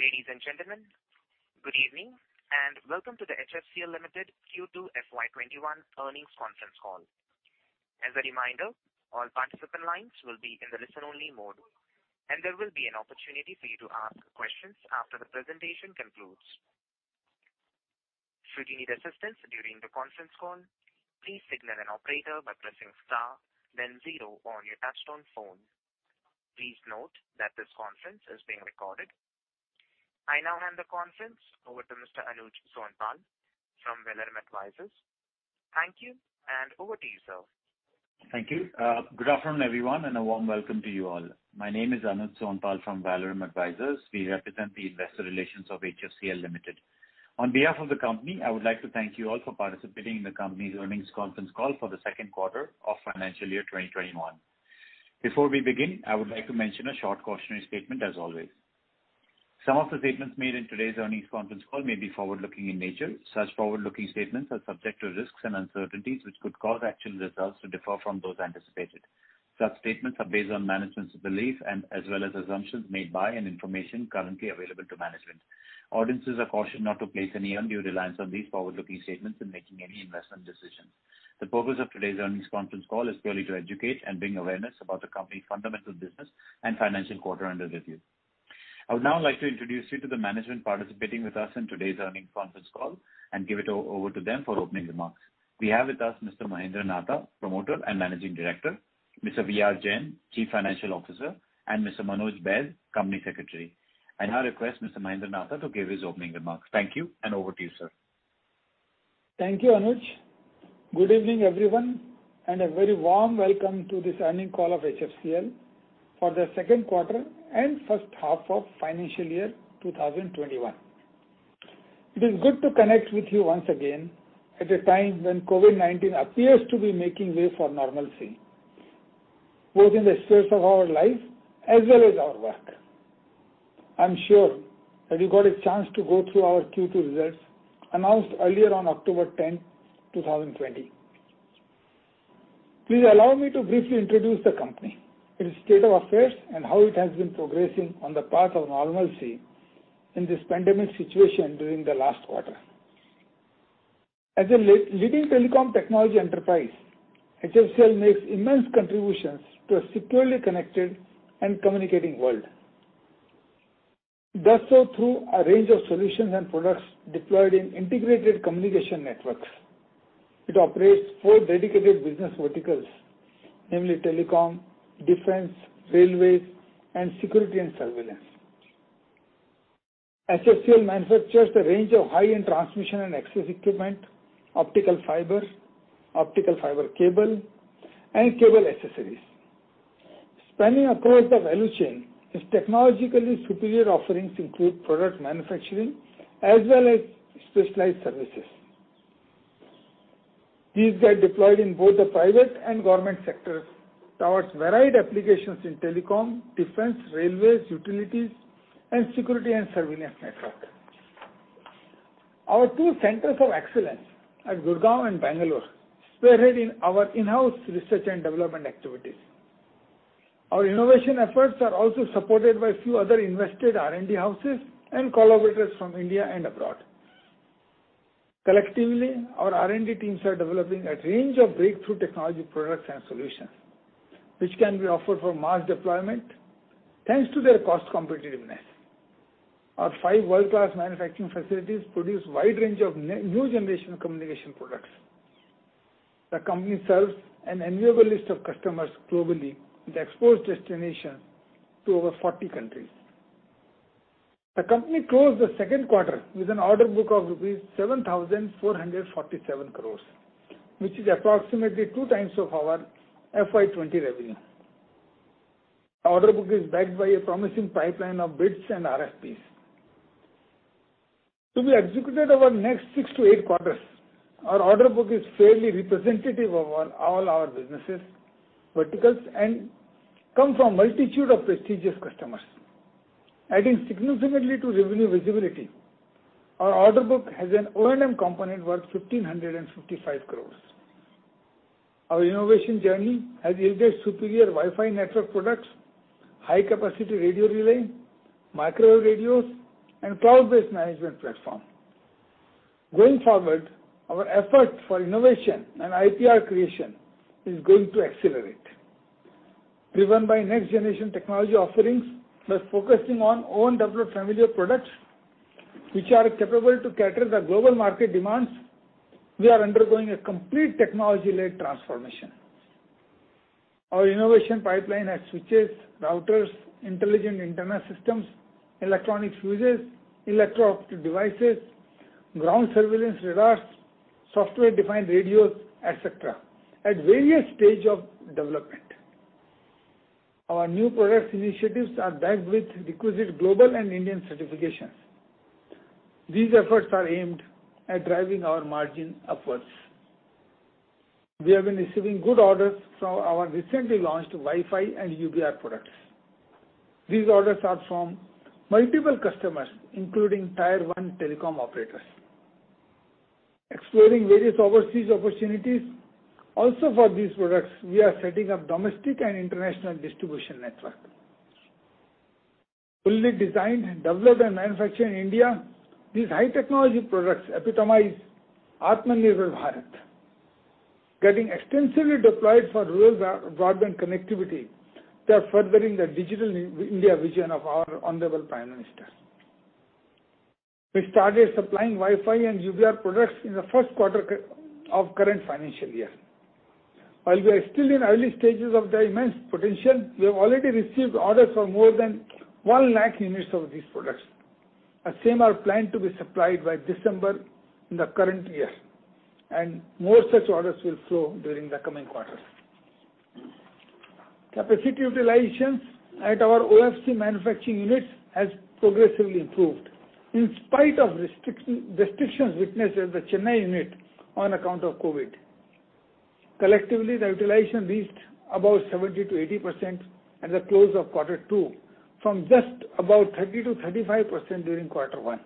Ladies and gentlemen, good evening, welcome to the HFCL Limited Q2 FY 2021 Earnings Conference Call. As a reminder, all participant lines will be in the listen only mode, and there will be an opportunity for you to ask questions after the presentation concludes. Should you need assistance during the conference call, please signal an operator by pressing star then zero on your touch-tone phone. Please note that this conference is being recorded. I now hand the conference over to Mr. Anuj Sonpal from Valorem Advisors. Thank you, and over to you, sir. Thank you. Good afternoon, everyone, and a warm welcome to you all. My name is Anuj Sonpal from Valorem Advisors. We represent the investor relations of HFCL Limited. On behalf of the company, I would like to thank you all for participating in the company's earnings conference call for the second quarter of financial year 2021. Before we begin, I would like to mention a short cautionary statement, as always. Some of the statements made in today's earnings conference call may be forward-looking in nature. Such forward-looking statements are subject to risks and uncertainties, which could cause actual results to differ from those anticipated. Such statements are based on management's belief as well as assumptions made by and information currently available to management. Audiences are cautioned not to place any undue reliance on these forward-looking statements in making any investment decisions. The purpose of today's earnings conference call is purely to educate and bring awareness about the company's fundamental business and financial quarter under review. I would now like to introduce you to the management participating with us in today's earnings conference call and give it over to them for opening remarks. We have with us Mr. Mahendra Nahata, Promoter and Managing Director, Mr. V.R. Jain, Chief Financial Officer, and Mr. Manoj Baid, Company Secretary. I now request Mr. Mahendra Nahata to give his opening remarks. Thank you, and over to you, sir. Thank you, Anuj. Good evening, everyone, and a very warm welcome to this earnings call of HFCL for the second quarter and first half of financial year 2021. It is good to connect with you once again at a time when COVID-19 appears to be making way for normalcy, both in the space of our life as well as our work. I'm sure that you got a chance to go through our Q2 results announced earlier on October 10th, 2020. Please allow me to briefly introduce the company, its state of affairs, and how it has been progressing on the path of normalcy in this pandemic situation during the last quarter. As a leading telecom technology enterprise, HFCL makes immense contributions to a securely connected and communicating world. It does so through a range of solutions and products deployed in integrated communication networks. It operates four dedicated business verticals, namely telecom, defense, railways, and security and surveillance. HFCL manufactures a range of high-end transmission and access equipment, optical fiber, optical fiber cable, and cable accessories. Spanning across the value chain, its technologically superior offerings include product manufacturing as well as specialized services. These get deployed in both the private and government sectors towards varied applications in telecom, defense, railways, utilities, and security and surveillance networks. Our two centers of excellence at Gurgaon and Bangalore spearhead our in-house research and development activities. Our innovation efforts are also supported by a few other invested R&D houses and collaborators from India and abroad. Collectively, our R&D teams are developing a range of breakthrough technology products and solutions, which can be offered for mass deployment thanks to their cost competitiveness. Our five world-class manufacturing facilities produce a wide range of new generation communication products. The company serves an enviable list of customers globally with export destination to over 40 countries. The company closed the second quarter with an order book of rupees 7,447 crores, which is approximately 2x of our FY 2020 revenue. Our order book is backed by a promising pipeline of bids and RFPs. To be executed over the next six to eight quarters, our order book is fairly representative of all our businesses, verticals, and comes from a multitude of prestigious customers. Adding significantly to revenue visibility, our order book has an O&M component worth 1,555 crores. Our innovation journey has yielded superior Wi-Fi network products, high-capacity radio relay, microwave radios, and cloud-based management platform. Going forward, our effort for innovation and IPR creation is going to accelerate. Driven by next-generation technology offerings, plus focusing on own developed familiar products which are capable to cater the global market demands, we are undergoing a complete technology-led transformation. Our innovation pipeline has switches, routers, intelligent internal systems, electronic fuses, electro-optic devices, ground surveillance radars, software-defined radios, et cetera, at various stages of development. Our new product initiatives are backed with requisite global and Indian certifications. These efforts are aimed at driving our margin upwards. We have been receiving good orders from our recently launched Wi-Fi and UBR products. These orders are from multiple customers, including tier 1 telecom operators. Exploring various overseas opportunities also for these products. We are setting up domestic and international distribution network. Fully designed and developed and manufactured in India, these high technology products epitomize Atmanirbhar Bharat. Getting extensively deployed for rural broadband connectivity, they are furthering the Digital India vision of our honorable Prime Minister. We started supplying Wi-Fi and UBR products in the first quarter of current financial year. While we are still in early stages of their immense potential, we have already received orders for more than one lakh units of these products. The same are planned to be supplied by December in the current year, and more such orders will flow during the coming quarters. Capacity utilizations at our OFC manufacturing units has progressively improved in spite of restrictions witnessed at the Chennai unit on account of COVID. Collectively, the utilization reached above 70%-80% at the close of quarter two from just about 30%-35% during quarter one.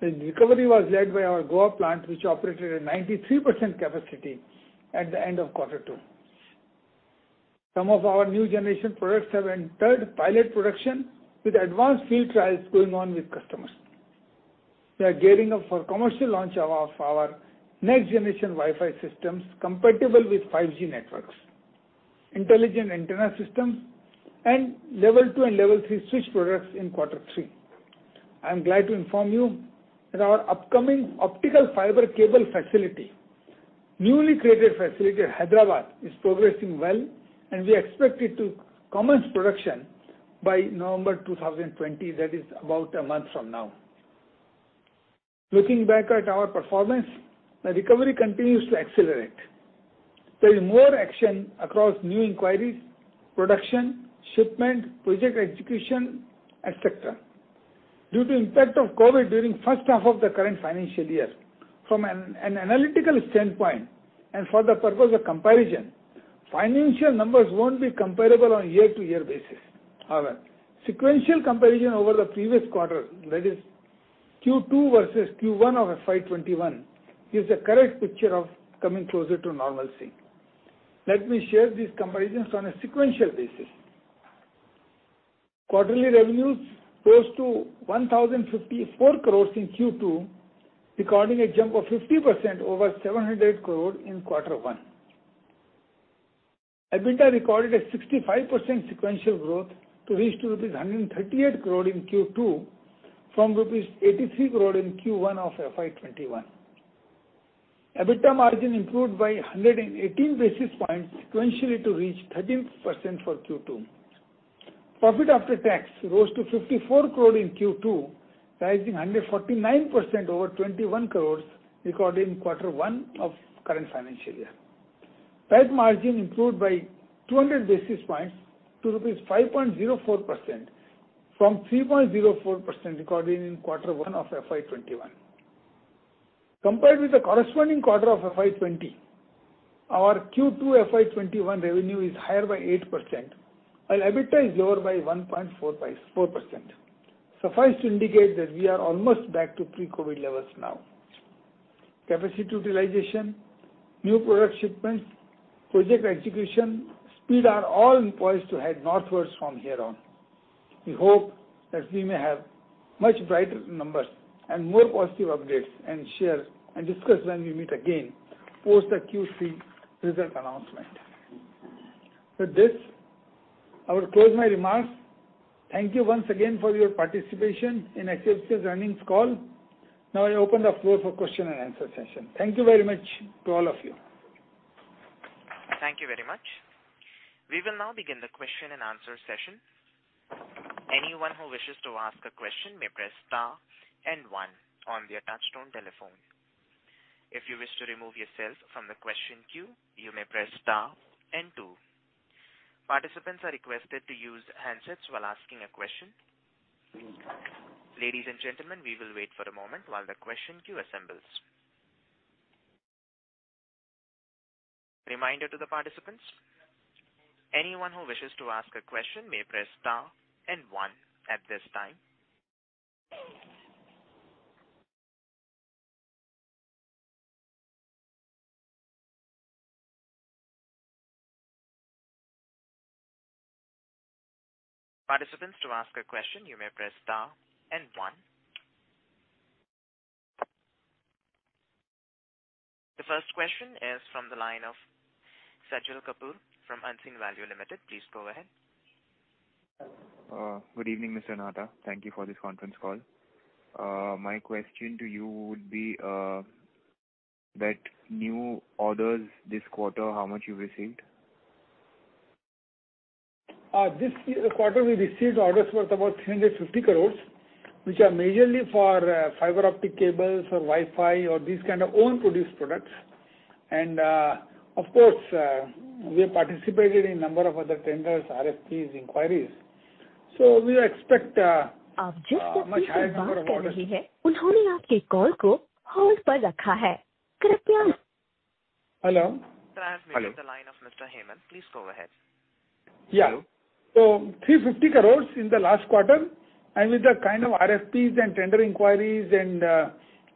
The recovery was led by our Goa plant, which operated at 93% capacity at the end of quarter two. Some of our new generation products have entered pilot production with advanced field trials going on with customers. We are gearing up for commercial launch of our next generation Wi-Fi systems compatible with 5G networks, intelligent antenna systems, and level two and level three switch products in quarter three. I'm glad to inform you that our upcoming optical fiber cable facility, newly created facility at Hyderabad, is progressing well, and we expect it to commence production by November 2020, that is about a month from now. Looking back at our performance, the recovery continues to accelerate. There is more action across new inquiries, production, shipment, project execution, et cetera. Due to impact of COVID during first half of the current financial year, from an analytical standpoint and for the purpose of comparison, financial numbers won't be comparable on year-to-year basis. However, sequential comparison over the previous quarter, that is Q2 versus Q1 of FY 2021, gives a correct picture of coming closer to normalcy. Let me share these comparisons on a sequential basis. Quarterly revenues rose to 1,054 crore in Q2, recording a jump of 50% over 700 crore in Q1. EBITDA recorded a 65% sequential growth to reach rupees 138 crore in Q2 from rupees 83 crore in Q1 of FY 2021. EBITDA margin improved by 118 basis points sequentially to reach 13% for Q2. Profit after tax rose to 54 crore in Q2, rising 149% over 21 crore recorded in Q1 of current financial year. PAT margin improved by 200 basis points to 5.04% from 3.04% recorded in Q1 of FY 2021. Compared with the corresponding quarter of FY 2020, our Q2 FY 2021 revenue is higher by 8%, while EBITDA is lower by 1.4%. Suffice to indicate that we are almost back to pre-COVID levels now. Capacity utilization, new product shipments, project execution speed are all poised to head northwards from here on. We hope that we may have much brighter numbers and more positive updates and share and discuss when we meet again post the Q3 result announcement. With this, I will close my remarks. Thank you once again for your participation in HFCL Limited earnings call. Now I open the floor for question-and-answer session. Thank you very much to all of you. Thank you very much. We will now begin the question-and-answer session. Anyone who wishes to ask a question may press star and one on their touchtone telephone. If you wish to remove yourself from the question queue, you may press star and two. Participants are requested to use handsets while asking a question. Ladies and gentlemen, we will wait for a moment while the question queue assembles. Reminder to the participants, anyone who wishes to ask a question may press star and one at this time. Participants, to ask a question, you may press star and one. The first question is from the line of Sajal Kapoor from Unseen Value Limited. Please go ahead. Good evening, Mr. Nahata. Thank you for this conference call. My question to you would be that new orders this quarter, how much you've received? This quarter, we received orders worth about 350 crore, which are majorly for fiber optic cables or Wi-Fi or these kind of own produced products. Of course, we have participated in number of other tenders, RFPs, inquiries. We expect a much higher number of orders. Hello? Sir, I have muted the line of Mr. Hemant. Please go ahead. Yeah. 350 crores in the last quarter, with the kind of RFPs and tender inquiries and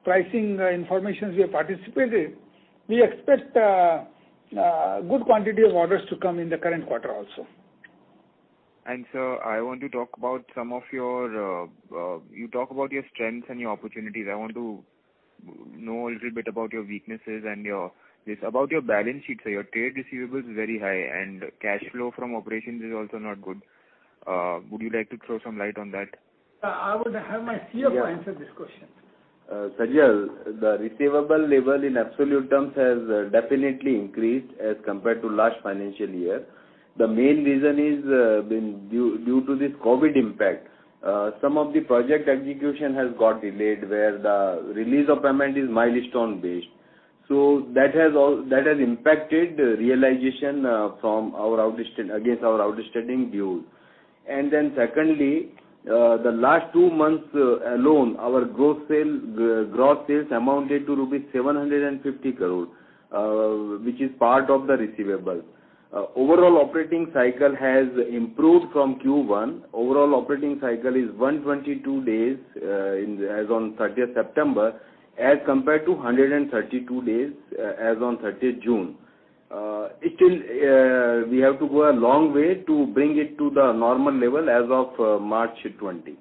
pricing informations we have participated, we expect good quantity of orders to come in the current quarter also. Sir, I want to talk about your strengths and your opportunities. I want to know a little bit about your weaknesses and about your balance sheet. Your trade receivables is very high, and cash flow from operations is also not good. Would you like to throw some light on that? I would have my CFO answer this question. Sajal, the receivable level in absolute terms has definitely increased as compared to last financial year. The main reason is due to this COVID impact. Some of the project execution has got delayed where the release of payment is milestone-based. That has impacted realization against our outstanding dues. Secondly, the last two months alone, our gross sales amounted to rupees 750 crore, which is part of the receivable. Overall operating cycle has improved from Q1. Overall operating cycle is 122 days as on 30th September as compared to 132 days as on 30th June. We have to go a long way to bring it to the normal level as of March 2020.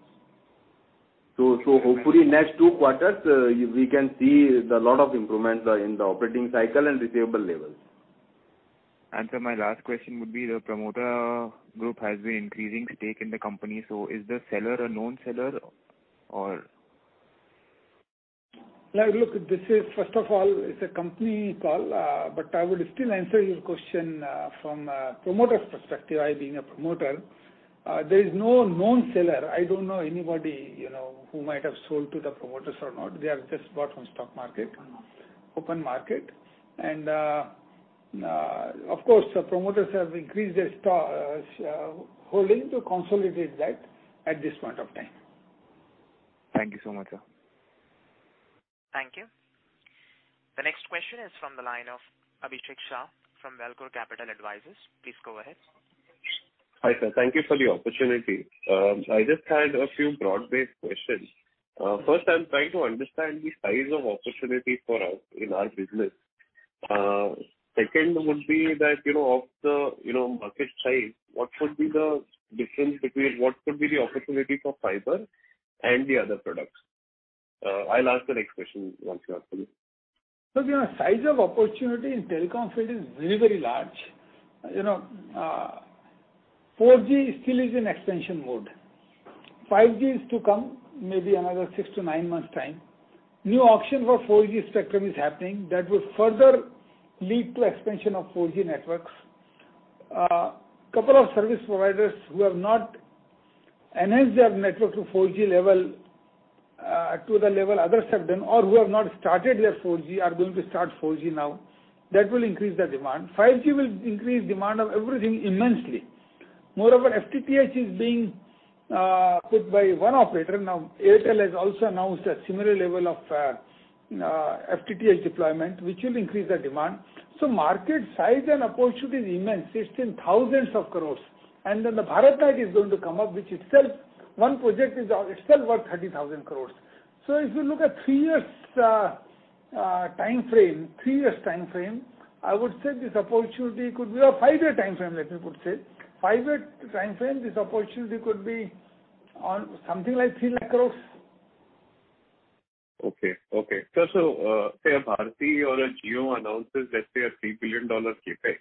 Hopefully next two quarters, we can see the lot of improvement in the operating cycle and receivable levels. Sir, my last question would be, the promoter group has been increasing stake in the company. Is the seller a known seller or? Look, first of all, it's a company call, but I would still answer your question from a promoter's perspective, I being a promoter. There is no known seller. I don't know anybody who might have sold to the promoters or not. They have just bought from stock market, open market. Of course, the promoters have increased their holding to consolidate that at this point of time. Thank you so much, sir. Thank you. The next question is from the line of Abhishek Shah from Valcore Capital Advisors. Please go ahead. Hi, sir. Thank you for the opportunity. I just had a few broad-based questions. First, I'm trying to understand the size of opportunity for us in our business. Second would be that, of the market size, what would be the difference between what could be the opportunity for fiber and the other products? I'll ask the next question once you answer this. Look, size of opportunity in telecom field is very large. 4G still is in expansion mode. 5G is to come, maybe another six to nine months' time. New auction for 4G spectrum is happening. That would further lead to expansion of 4G networks. A couple of service providers who have not enhanced their network to 4G level, to the level others have done, or who have not started their 4G are going to start 4G now. That will increase the demand. 5G will increase demand of everything immensely. Moreover, FTTH is being put by one operator. Now, Airtel has also announced a similar level of FTTH deployment, which will increase the demand. Market size and opportunity is immense, 16,000 crores. The BharatNet is going to come up, which itself, one project is itself worth 30,000 crores. If you look at three years timeframe, I would say this opportunity could be a five-year timeframe, let me put it. Five-year timeframe, this opportunity could be on something like 3 lakh crores. Okay. Sir, say Bharti or Jio announces, let's say, a $3 billion CapEx,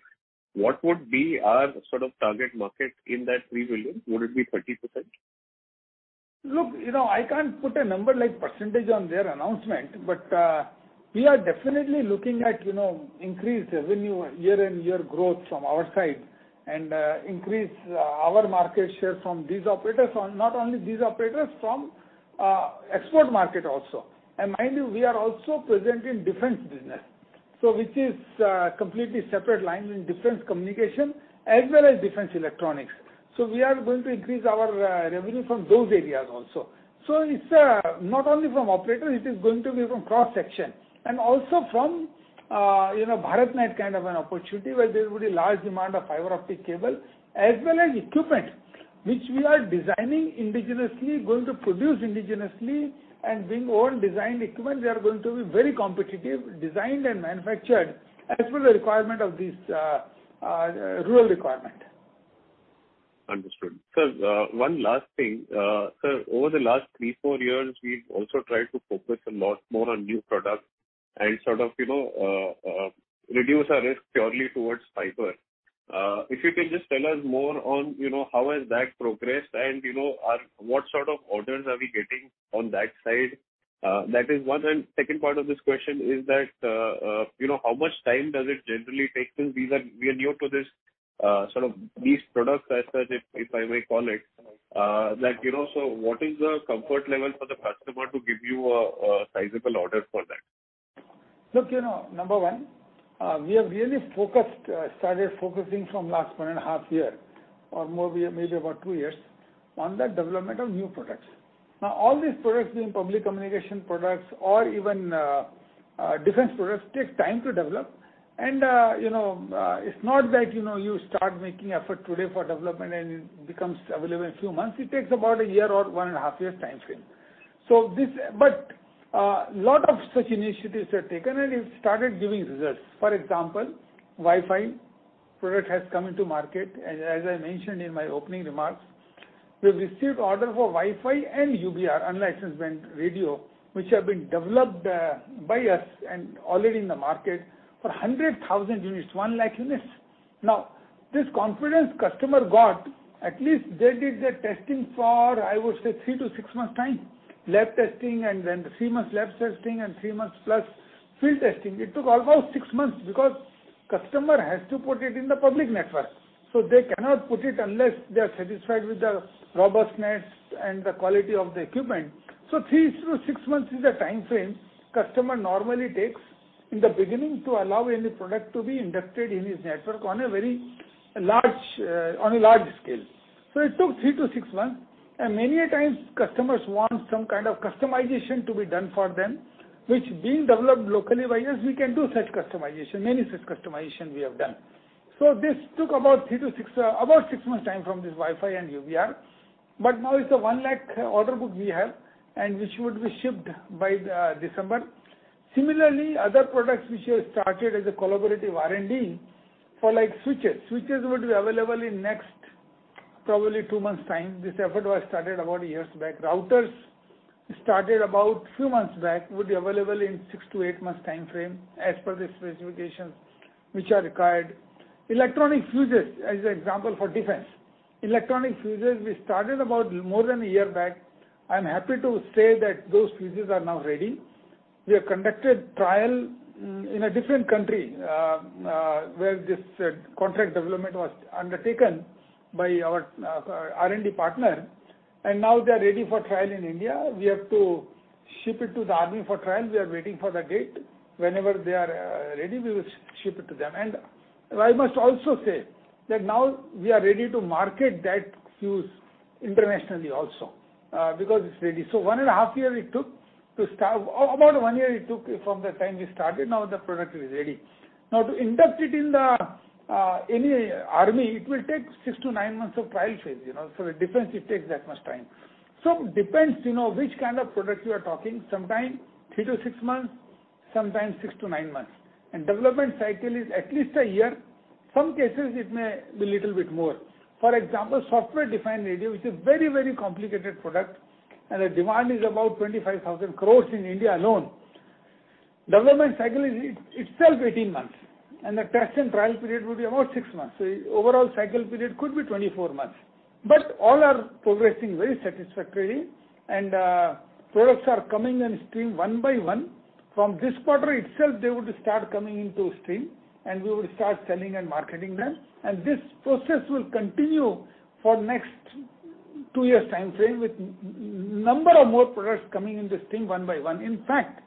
what would be our sort of target market in that $3 billion? Would it be 30%? Look, I can't put a number like percentage on their announcement, but we are definitely looking at increased revenue year-on-year growth from our side and increase our market share from these operators, not only these operators, from export market also. Mind you, we are also present in defense business. Which is completely separate line in defense communication as well as defense electronics. We are going to increase our revenue from those areas also. It's not only from operator, it is going to be from cross section and also from BharatNet kind of an opportunity where there will be large demand of fiber optic cable as well as equipment, which we are designing indigenously, going to produce indigenously and being own designed equipment, we are going to be very competitive, designed and manufactured as per the rural requirement. Understood. Sir, one last thing. Sir, over the last three, four years, we've also tried to focus a lot more on new products and sort of reduce our risk purely towards fiber. If you can just tell us more on how has that progressed and what sort of orders are we getting on that side? That is one. Second part of this question is that, how much time does it generally take? Since we are new to these products, if I may call it, so what is the comfort level for the customer to give you a sizable order for that? Look, number one, we have really started focusing from last one and a half-year or maybe about two years. On the development of new products. All these products, being public communication products or even defense products, take time to develop. It's not that you start making effort today for development and it becomes available in a few months. It takes about a year or one and a half years timeframe. A lot of such initiatives were taken, and it started giving results. For example, Wi-Fi product has come into market. As I mentioned in my opening remarks, we have received order for Wi-Fi and UBR, unlicensed band radio, which have been developed by us and already in the market for 100,000 units, 1 lakh units. This confidence customer got, at least they did the testing for, I would say, 3-6 months time. Lab testing, three months lab testing and three months plus field testing. It took almost six months because customer has to put it in the public network, they cannot put it unless they are satisfied with the robustness and the quality of the equipment. Three to six months is the timeframe customer normally takes in the beginning to allow any product to be inducted in his network on a very large scale. It took 3-6 months. Many a times, customers want some kind of customization to be done for them, which being developed locally by us, we can do such customization. Many such customization we have done. This took about six months time from this Wi-Fi and UBR. Now it's a 1 lakh order book we have, and which would be shipped by December. Similarly, other products which we have started as a collaborative R&D, for switches. Switches would be available in next probably two months' time. Routers started about few months back, would be available in six to eight months' timeframe as per the specifications which are required. Electronic fuses, as an example for defense. Electronic fuses, we started about more than a year back. I'm happy to say that those fuses are now ready. We have conducted trial in a different country, where this contract development was undertaken by our R&D partner, and now they are ready for trial in India. We have to ship it to the Army for trial. We are waiting for the date. Whenever they are ready, we will ship it to them. I must also say that now we are ready to market that fuse internationally also because it's ready. About one year it took from the time we started, now the product is ready. To induct it in any army, it will take 6-9 months of trial phase. For the defense, it takes that much time. Sometime 3-6 months, sometime 6-9 months. Development cycle is at least a year. Some cases it may be little bit more. For example, Software-defined radio, which is very complicated product, and the demand is about 25,000 crore in India alone. Development cycle is itself 18 months, and the test and trial period will be about six months. Overall cycle period could be 24 months. All are progressing very satisfactorily, and products are coming in stream one by one. From this quarter itself, they would start coming into stream and we would start selling and marketing them. This process will continue for next two years' timeframe, with number of more products coming in the stream one by one. In fact,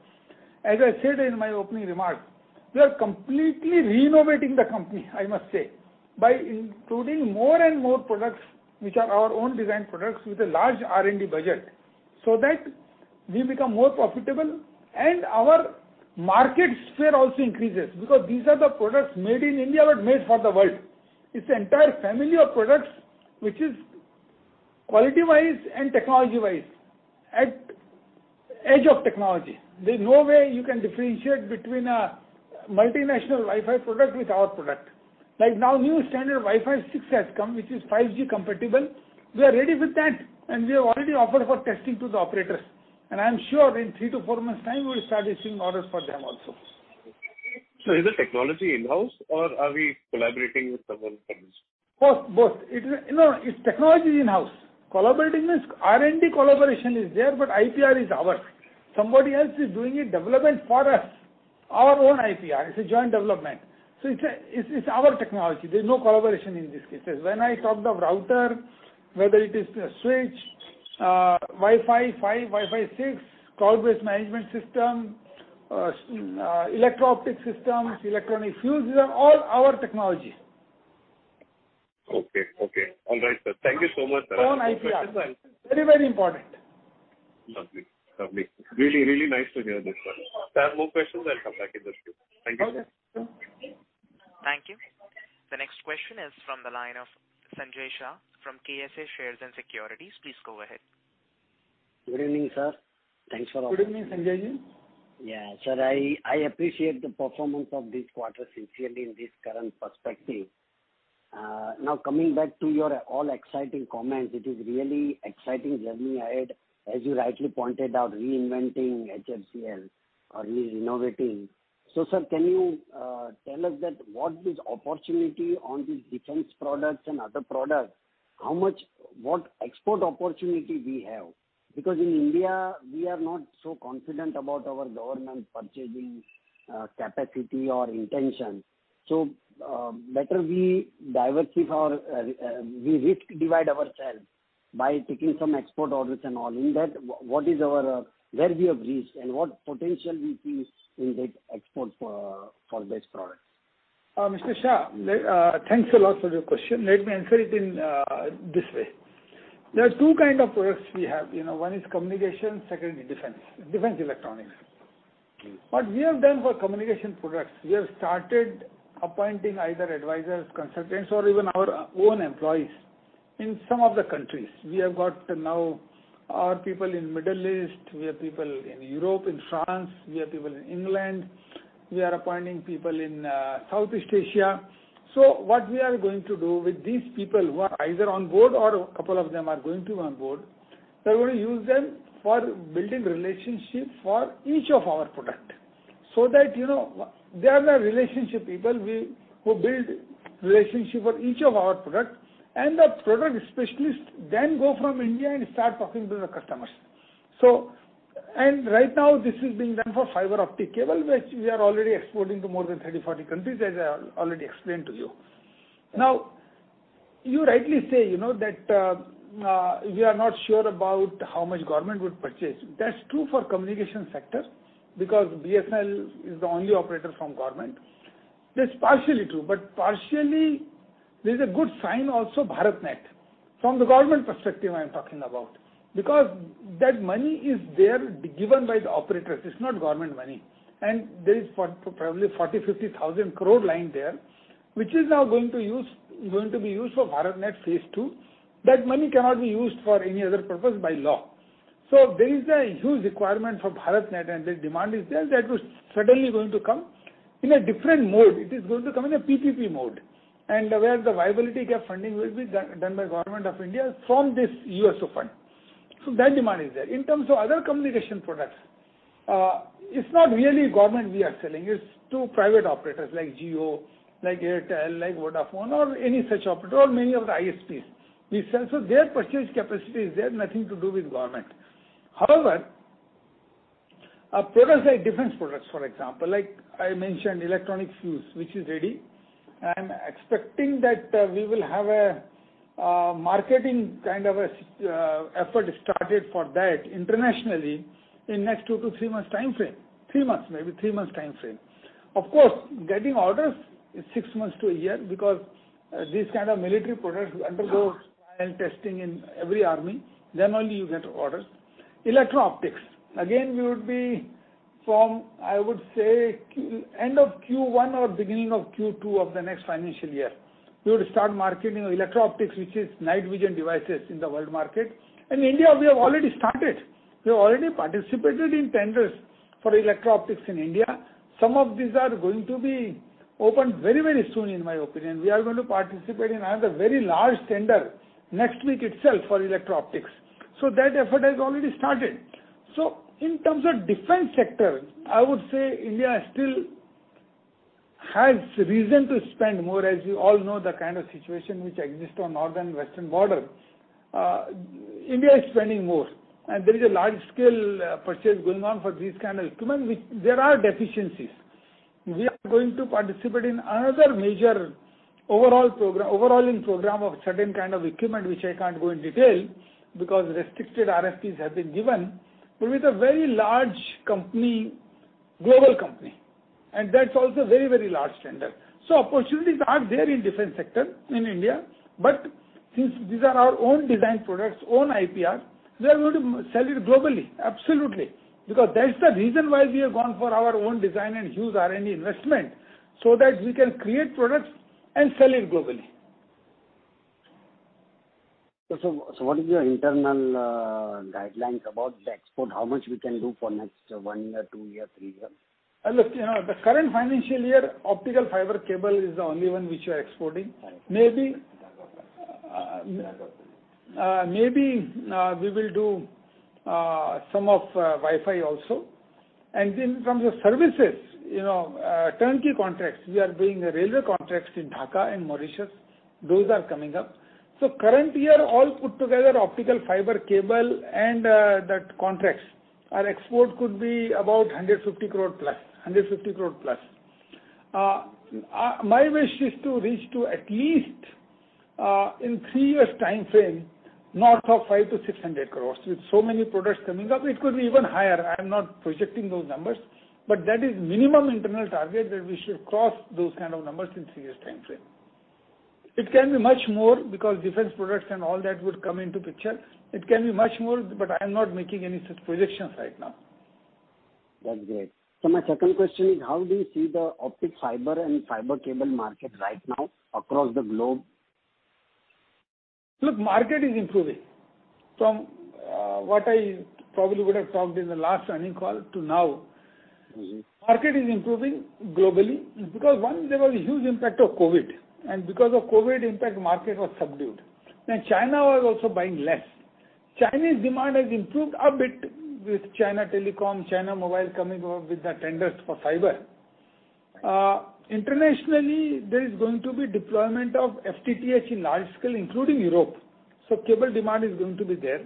as I said in my opening remarks, we are completely renovating the company, I must say, by including more and more products which are our own design products with a large R&D budget, so that we become more profitable and our market sphere also increases because these are the products made in India but made for the world. It's the entire family of products which is quality-wise and technology-wise at edge of technology. There's no way you can differentiate between a multinational Wi-Fi product with our product. Like now, new standard Wi-Fi 6 has come, which is 5G compatible. We are ready with that, we have already offered for testing to the operators. I am sure in three to four months' time, we will start issuing orders for them also. Is the technology in-house or are we collaborating with someone for this? Both. No, its technology is in-house. Collaborating means R&D collaboration is there, but IPR is ours. Somebody else is doing a development for us. Our own IPR. It's a joint development. It's our technology. There's no collaboration in these cases. When I talk the router, whether it is the switch, Wi-Fi 5, Wi-Fi 6, cloud-based management system, electro-optic systems, electronic fuses, are all our technologies. Okay. All right, sir. Thank you so much, sir. Own IPR. Very important. Lovely. Really nice to hear this, sir. If I have more questions, I'll come back in the queue. Thank you. Okay, sure. Thank you. The next question is from the line of Sanjay Shah from KSA Shares and Securities. Please go ahead. Good evening, sir. Good evening, Sanjay. Yeah. Sir, I appreciate the performance of this quarter sincerely in this current perspective. Now, coming back to your all exciting comments, it is really exciting journey ahead, as you rightly pointed out, reinventing HFCL or renovating. Sir, can you tell us that what is opportunity on these defense products and other products? What export opportunity we have? Because in India, we are not so confident about our government purchasing capacity or intention. Better we risk divide ourselves by taking some export orders and all in that. Where we have reached and what potential we see in that export for this product? Mr. Shah, thanks a lot for your question. Let me answer it in this way. There are two kinds of products we have. One is communication, second is defense electronics. What we have done for communication products, we have started appointing either advisors, consultants, or even our own employees in some of the countries. We have got now our people in Middle East, we have people in Europe, in France, we have people in England. We are appointing people in Southeast Asia. What we are going to do with these people who are either on board or a couple of them are going to be on board, we're going to use them for building relationships for each of our products. That they are the relationship people who build relationships for each of our products, and the product specialists then go from India and start talking to the customers. Right now, this is being done for fiber optic cable, which we are already exporting to more than 30-40 countries, as I already explained to you. You rightly say that we are not sure about how much government would purchase. That's true for communication sector, because BSNL is the only operator from government. That's partially true, but partially there's a good sign also, BharatNet. From the government perspective, I am talking about. That money is there, given by the operators. It's not government money. There is probably 40,000 crore-50,000 crore lying there, which is now going to be used for BharatNet phase II. That money cannot be used for any other purpose by law. There is a huge requirement for BharatNet, and the demand is there that was suddenly going to come in a different mode. It is going to come in a PPP mode. Where the viability gap funding will be done by Government of India from this USOF. That demand is there. In terms of other communication products, it's not really government we are selling. It's to private operators like Jio, like Airtel, like Vodafone, or any such operator, or many of the ISPs. Their purchase capacity is there, nothing to do with government. However, products like defense products, for example, like I mentioned, electronic fuse, which is ready. I'm expecting that we will have a marketing kind of effort started for that internationally in next 2-3 months timeframe. Three months, maybe three months timeframe. Of course, getting orders is six months to a year because this kind of military product undergoes trial and testing in every army. Only you get orders. Electro-optics. We would be from, I would say, end of Q1 or beginning of Q2 of the next financial year. We would start marketing electro-optics, which is night vision devices, in the world market. In India, we have already started. We have already participated in tenders for electro-optics in India. Some of these are going to be opened very soon, in my opinion. We are going to participate in another very large tender next week itself for electro-optics. That effort has already started. In terms of defense sector, I would say India still has reason to spend more. As you all know, the kind of situation which exists on northern-western border. India is spending more, and there is a large-scale purchase going on for this kind of equipment, which there are deficiencies. We are going to participate in another major overall program of certain kind of equipment, which I can't go in detail because restricted RFPs have been given, but with a very large global company. That's also a very large tender. Opportunities are there in defense sector in India. Since these are our own design products, own IPR, we are going to sell it globally, absolutely. Because that's the reason why we have gone for our own design and huge R&D investment. That we can create products and sell it globally. What is your internal guidelines about the export? How much we can do for next one year, two year, three year? Look, the current financial year, optical fiber cable is the only one which we are exporting. Thanks. Maybe we will do some of Wi-Fi also. From the services, turnkey contracts. We are doing railway contracts in Dhaka and Mauritius. Those are coming up. Current year, all put together, optical fiber cable and that contracts. Our export could be about 150 crore+. My wish is to reach to at least, in three years timeframe, north of 500 crore-600 crore. With so many products coming up, it could be even higher. I'm not projecting those numbers, that is minimum internal target that we should cross those kind of numbers in three years timeframe. It can be much more because defense products and all that would come into picture. It can be much more, I'm not making any such predictions right now. That's great. My second question is, how do you see the optic fiber and fiber cable market right now across the globe? Look, market is improving. From what I probably would have talked in the last earning call to now. Market is improving globally because, one, there was a huge impact of COVID. Because of COVID impact, market was subdued. China was also buying less. Chinese demand has improved a bit with China Telecom, China Mobile coming up with the tenders for fiber. Internationally, there is going to be deployment of FTTH in large scale, including Europe. Cable demand is going to be there.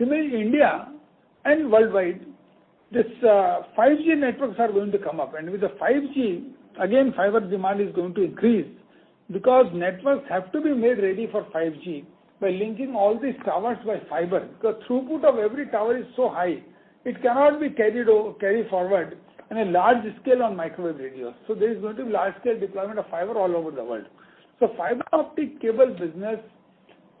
Similarly, India and worldwide, these 5G networks are going to come up. With the 5G, again, fiber demand is going to increase because networks have to be made ready for 5G by linking all these towers by fiber. The throughput of every tower is so high, it cannot be carried forward in a large scale on microwave radios. There is going to be large scale deployment of fiber all over the world. Fiber optic cable business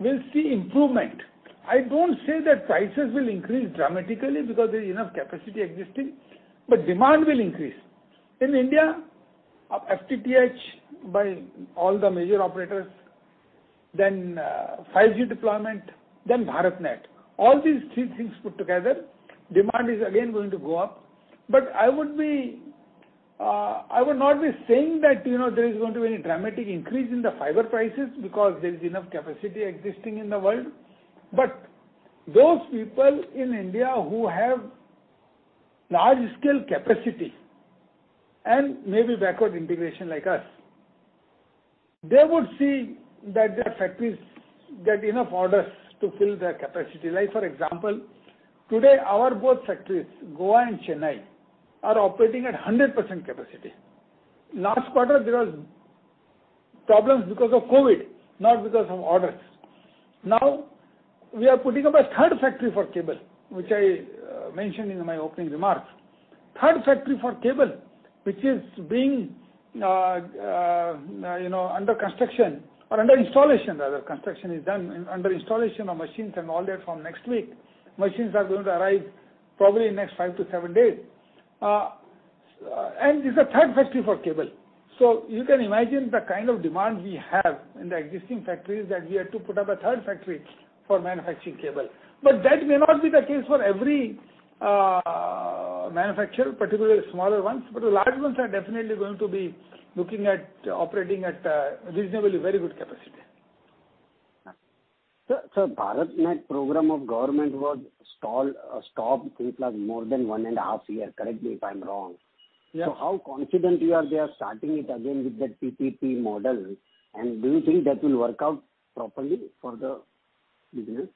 will see improvement. I don't say that prices will increase dramatically because there is enough capacity existing, demand will increase. In India, FTTH by all the major operators, then 5G deployment, then BharatNet, all these three things put together, demand is again going to go up. I would not be saying that there is going to be any dramatic increase in the fiber prices because there is enough capacity existing in the world. Those people in India who have large scale capacity and maybe backward integration like us, they would see that their factories get enough orders to fill their capacity. Like for example, today, our both factories, Goa and Chennai, are operating at 100% capacity. Last quarter, there was problems because of COVID, not because of orders. Now, we are putting up a third factory for cable, which I mentioned in my opening remarks. Third factory for cable, which is being under construction or under installation, rather. Construction is done, under installation of machines and all that from next week. Machines are going to arrive probably in next 5-7 days. It's a third factory for cable. You can imagine the kind of demand we have in the existing factories that we had to put up a third factory for manufacturing cable. That may not be the case for every manufacturer, particularly smaller ones. The large ones are definitely going to be looking at operating at a reasonably very good capacity. Sir, BharatNet program of government was stopped since like more than one and a half year. Correct me if I'm wrong. Yes. How confident you are they are starting it again with that PPP model, and do you think that will work out properly for the business?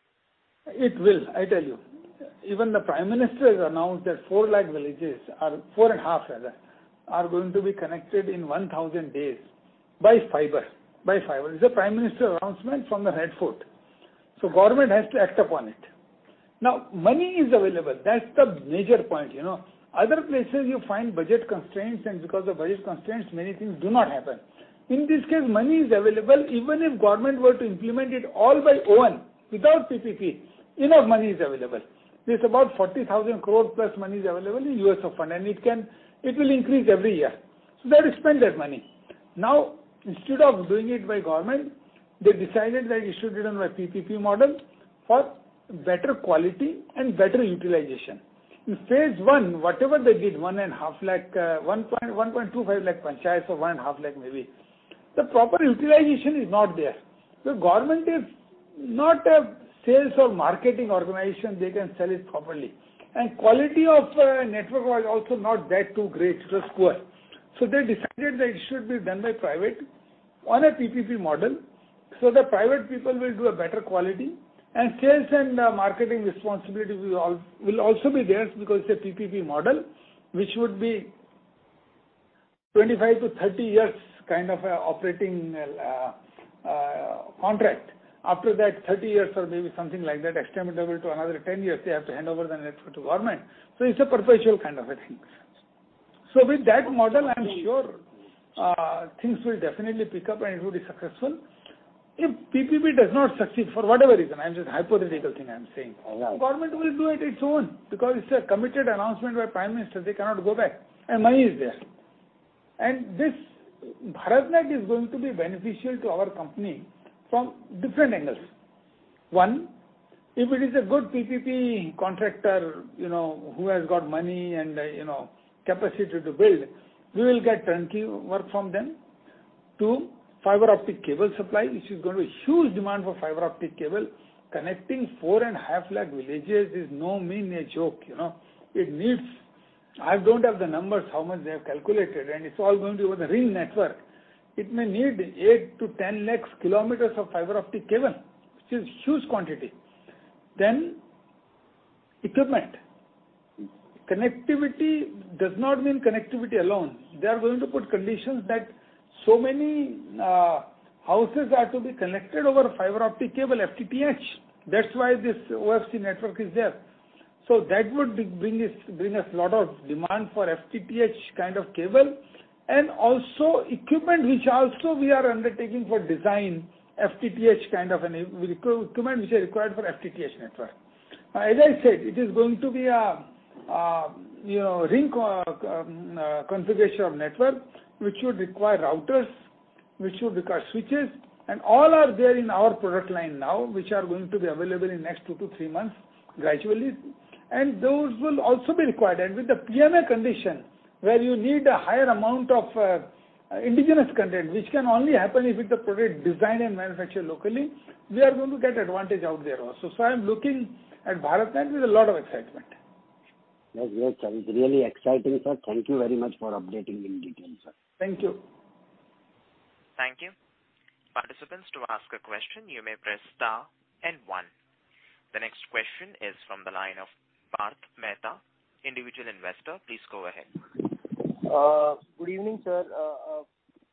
It will. I tell you. Even the Prime Minister has announced that four and a half lakh villages are going to be connected in 1,000 days by fiber. It's a Prime Minister announcement from the Red Fort. Government has to act upon it. Money is available. That's the major point. Other places you find budget constraints, and because of budget constraints, many things do not happen. In this case, money is available. Even if government were to implement it all by own, without PPP, enough money is available. There's about 40,000 crore plus money is available in USOF, and it will increase every year. They will spend that money. Instead of doing it by government, they decided that it should be done by PPP model for better quality and better utilization. In phase 1, whatever they did, 1.25 lakh panchayats or 1.5 lakh maybe, the proper utilization is not there. The government is not a sales or marketing organization, they can sell it properly. Quality of network was also not that too great, so-so. They decided that it should be done by private on a PPP model, so that private people will do a better quality, and sales and marketing responsibility will also be theirs because it's a PPP model, which would be 25-30 years kind of operating contract. After that 30 years or maybe something like that extendable to another 10 years, they have to hand over the network to government. It's a perpetual kind of a thing. With that model, I'm sure things will definitely pick up and it will be successful. If PPP does not succeed for whatever reason, I'm just hypothetical thing I'm saying. Yeah government will do it its own because it's a committed announcement by Prime Minister. They cannot go back, money is there. This BharatNet is going to be beneficial to our company from different angles. One, if it is a good PPP contractor who has got money and capacity to build, we will get turnkey work from them. Two, fiber optic cable supply, which is going to be huge demand for fiber optic cable. Connecting 4.5 lakh villages is no mean a joke. I don't have the numbers, how much they have calculated, it's all going to be over the ring network. It may need 8-10 lakh kilometers of fiber optic cable, which is huge quantity. Equipment. Connectivity does not mean connectivity alone. They are going to put conditions that so many houses are to be connected over fiber optic cable, FTTH. That's why this OFC network is there. That would bring us lot of demand for FTTH kind of cable, and also equipment which also we are undertaking for design, equipment which are required for FTTH network. As I said, it is going to be a ring configuration of network, which would require routers, which would require switches, and all are there in our product line now, which are going to be available in next two to three months gradually. Those will also be required. With the PMA condition, where you need a higher amount of indigenous content, which can only happen if it's a product designed and manufactured locally, we are going to get advantage out there also. I am looking at BharatNet with a lot of excitement. Yes, it sounds really exciting, sir. Thank you very much for updating in detail, sir. Thank you. Thank you. Participants, to ask a question, you may press star and one. The next question is from the line of Parth Mehta, individual investor. Please go ahead. Good evening, sir.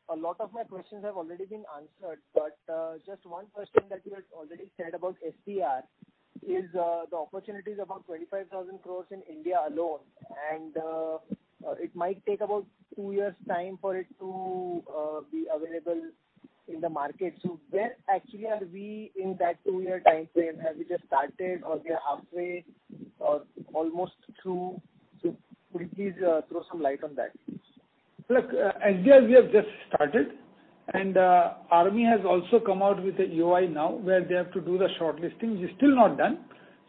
A lot of my questions have already been answered, but just one question that you had already said about SDR is the opportunities about 25,000 crores in India alone, and it might take about two years time for it to be available in the market. Where actually are we in that two-year timeframe? Have we just started or we are halfway or almost through? Could you please throw some light on that? Look, SDR, we have just started. Army has also come out with a EOI now where they have to do the shortlisting, which is still not done.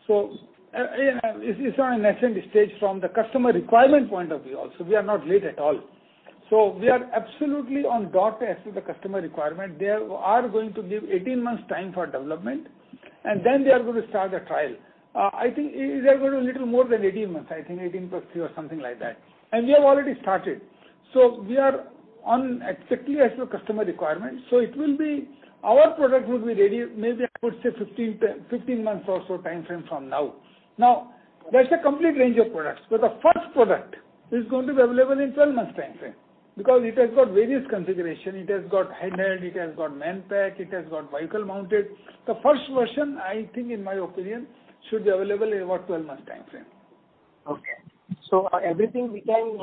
It's on an nascent stage from the customer requirement point of view also. We are not late at all. We are absolutely on dot as to the customer requirement. They are going to give 18 months time for development. Then they are going to start the trial. I think it is going to be little more than 18 months, I think 18 + 3 or something like that. We have already started. We are on exactly as to customer requirement. Our product would be ready, maybe, I would say, 15 months or so timeframe from now. Now, there's a complete range of products, but the first product is going to be available in 12 months timeframe because it has got various configuration. It has got handheld, it has got manpack, it has got vehicle mounted. The first version, I think in my opinion, should be available in about 12 months timeframe. Okay. everything we can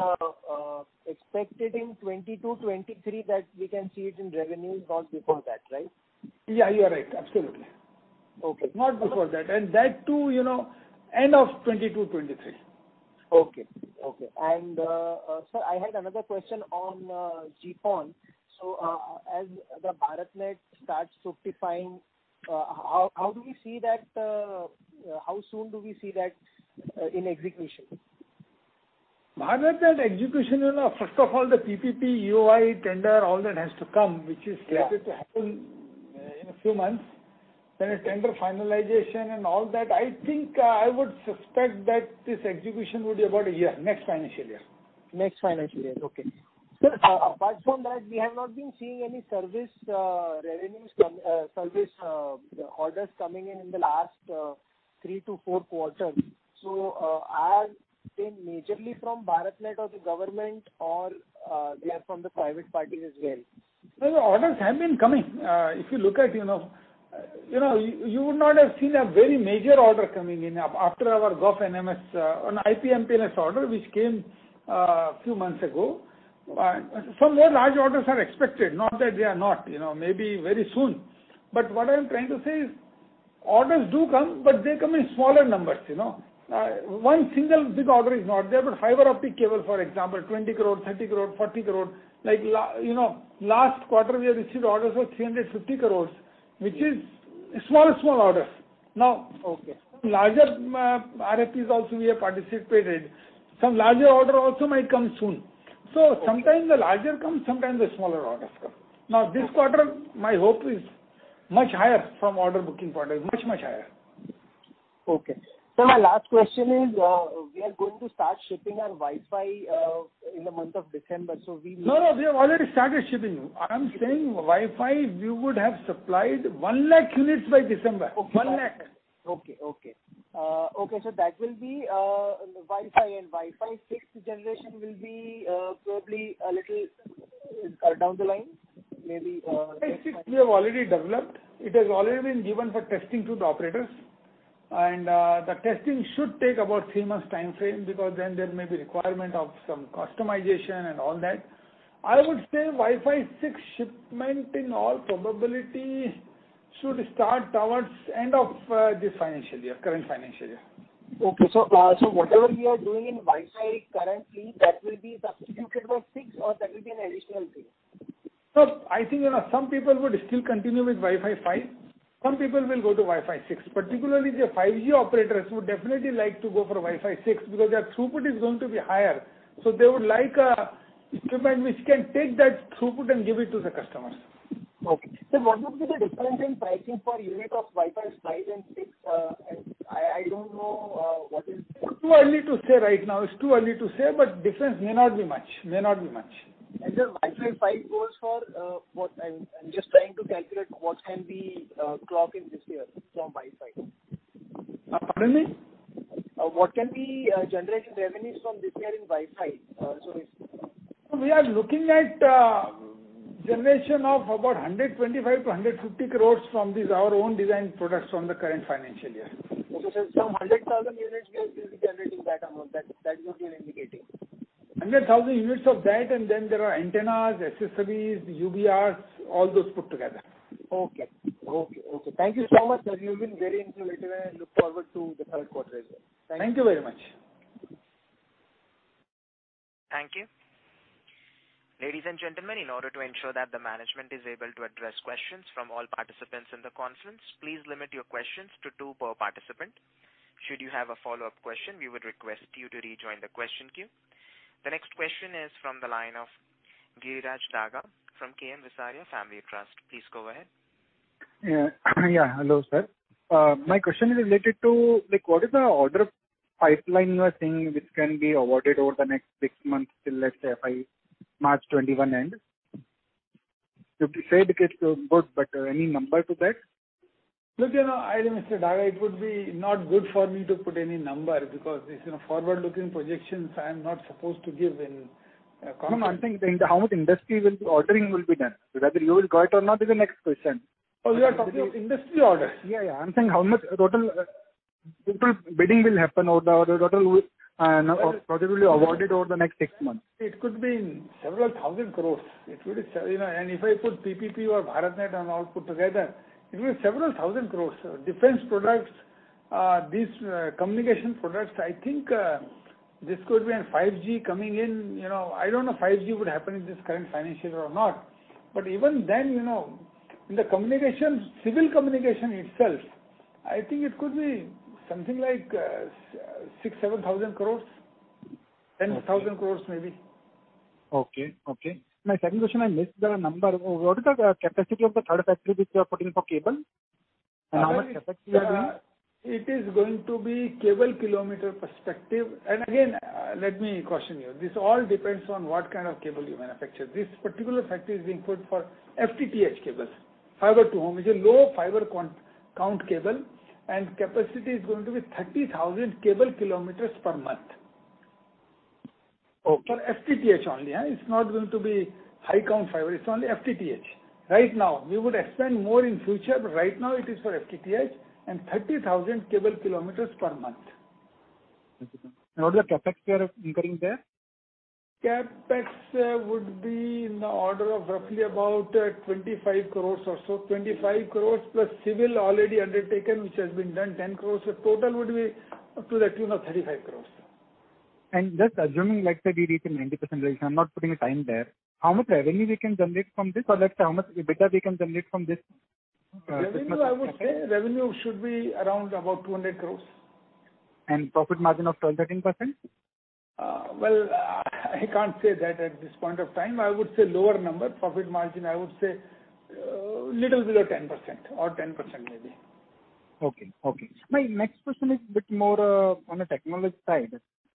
expect it in 2022, 2023, that we can see it in revenues not before that, right? Yeah, you're right, absolutely. Okay. Not before that. That too, end of 2022, 2023. Okay. Sir, I had another question on GPON. As the BharatNet starts simplifying, how soon do we see that in execution? BharatNet execution, first of all, the PPP, EOI, tender, all that has to come, which is. Yeah slated to happen in a few months, a tender finalization and all that. I think I would suspect that this execution would be about a year, next financial year. Next financial year. Okay. Sir, apart from that, we have not been seeing any service orders coming in the last 3-4 quarters. Are they majorly from BharatNet or the government or they are from the private parties as well? No, orders have been coming. If you look at, you would not have seen a very major order coming in after our GovNMS on IP/MPLS order, which came few months ago. Some more large orders are expected, not that they are not, maybe very soon. What I'm trying to say is, orders do come, but they come in smaller numbers. One single big order is not there, fiber optic cable, for example, 20 crore, 30 crore, 40 crore. Last quarter we have received orders of 350 crore, which is smaller orders. Okay larger RFPs also we have participated. Some larger order also might come soon. Sometimes the larger comes, sometimes the smaller orders come. This quarter, my hope is much higher from order booking point. It's much higher. Okay. Sir, my last question is, we are going to start shipping our Wi-Fi in the month of December. No, we have already started shipping. I'm saying Wi-Fi, we would have supplied 1 lakh units by December. Okay. 1 lakh. Okay. That will be Wi-Fi, and Wi-Fi 6 will be probably a little down the line. Wi-Fi 6 we have already developed. It has already been given for testing to the operators, and the testing should take about three months timeframe because then there may be requirement of some customization and all that. I would say Wi-Fi 6 shipment in all probability should start towards end of this current financial year. Whatever we are doing in Wi-Fi currently, that will be substituted by Wi-Fi 6 or that will be an additional thing? I think some people would still continue with Wi-Fi 5, some people will go to Wi-Fi 6. Particularly the 5G operators would definitely like to go for Wi-Fi 6 because their throughput is going to be higher. They would like a equipment which can take that throughput and give it to the customers. Okay. Sir, what would be the difference in pricing per unit of Wi-Fi 5 and 6? I don't know what is- Too early to say right now. It's too early to say, but difference may not be much. Sir, Wi-Fi 5 goes for, I'm just trying to calculate what can we clock in this year from Wi-Fi. Pardon me? What can we generate in revenues from this year in Wi-Fi? Sorry. We are looking at generation of about 125 crore-150 crore from these our own design products from the current financial year. Okay, sir. From 100,000 units, we will be generating that amount. That is what you are indicating. 100,000 units of that, and then there are antennas, accessories, UBRs, all those put together. Okay. Thank you so much, sir. You've been very informative and I look forward to the third quarter as well. Thank you. Thank you very much. Thank you. Ladies and gentlemen, in order to ensure that the management is able to address questions from all participants in the conference, please limit your questions to two per participant. Should you have a follow-up question, we would request you to rejoin the question queue. The next question is from the line of Giriraj Daga from KM Visaria Family Trust. Please go ahead. Yeah. Hello, sir. My question is related to, what is the order of pipeline you are seeing which can be awarded over the next six months till, let's say, by March 2021 end? You said it's good. Any number to that? Look, Mr. Daga, it would be not good for me to put any number because these are forward-looking projections I am not supposed to give in a conference. No, I'm saying how much industry ordering will be done. Whether you will get or not is the next question. Oh, you are talking of industry orders. Yeah. I'm saying how much total bidding will happen or the total project will be awarded over the next six months. It could be several thousand crores. If I put PPP or BharatNet and all put together, it will be several thousand crores. Defense products, these communication products, I think this could be. 5G coming in. I don't know if 5G would happen in this current financial year or not. Even then, in the civil communication itself, I think it could be something like 6,000 crores, 7,000 crores, 10,000 crores maybe. Okay. My second question, I missed the number. What is the capacity of the third factory which you are putting for cable? How much CapEx you are doing? It is going to be cable kilometer perspective. Again, let me caution you. This all depends on what kind of cable you manufacture. This particular factory is being put for FTTH cables, Fiber To Home. It's a low fiber count cable, and capacity is going to be 30,000 cable kilometers per month. Okay. For FTTH only. It's not going to be high count fiber. It's only FTTH right now. We would expand more in future, but right now it is for FTTH, and 30,000 cable kilometers per month. What is the CapEx you are incurring there? CapEx would be in the order of roughly about 25 crores or so. 25 crores+ civil already undertaken, which has been done 10 crores. Total would be up to 35 crores. Just assuming let's say we reach a 90% realization, I'm not putting a time there. How much revenue we can generate from this, or let's say how much EBITDA we can generate from this. Revenue, I would say revenue should be around about 200 crores. Profit margin of 12%, 13%? Well, I can't say that at this point of time. I would say lower number. Profit margin, I would say little below 10% or 10% maybe. Okay. My next question is bit more on a technology side.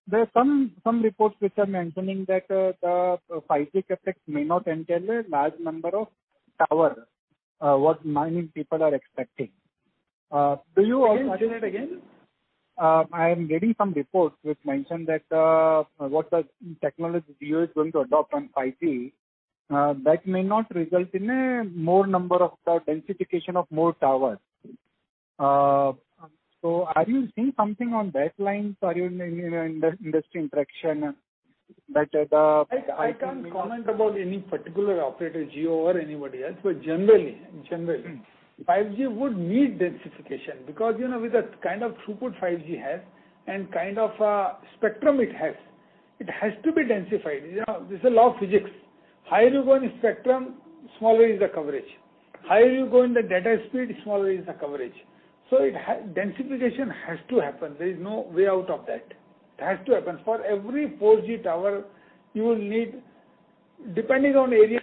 There are some reports which are mentioning that the 5G CapEx may not entail a large number of towers what many people are expecting. Do you also? Can you say that again? I am reading some reports which mention that what the technology Jio is going to adopt on 5G, that may not result in a more number of the densification of more towers. Are you seeing something on that line? I can't comment about any particular operator, Jio or anybody else. Generally, 5G would need densification because with the kind of throughput 5G has and kind of spectrum it has, it has to be densified. This is a law of physics. Higher you go in spectrum, smaller is the coverage. Higher you go in the data speed, smaller is the coverage. Densification has to happen. There is no way out of that. It has to happen. For every 4G tower, you will need, depending on area,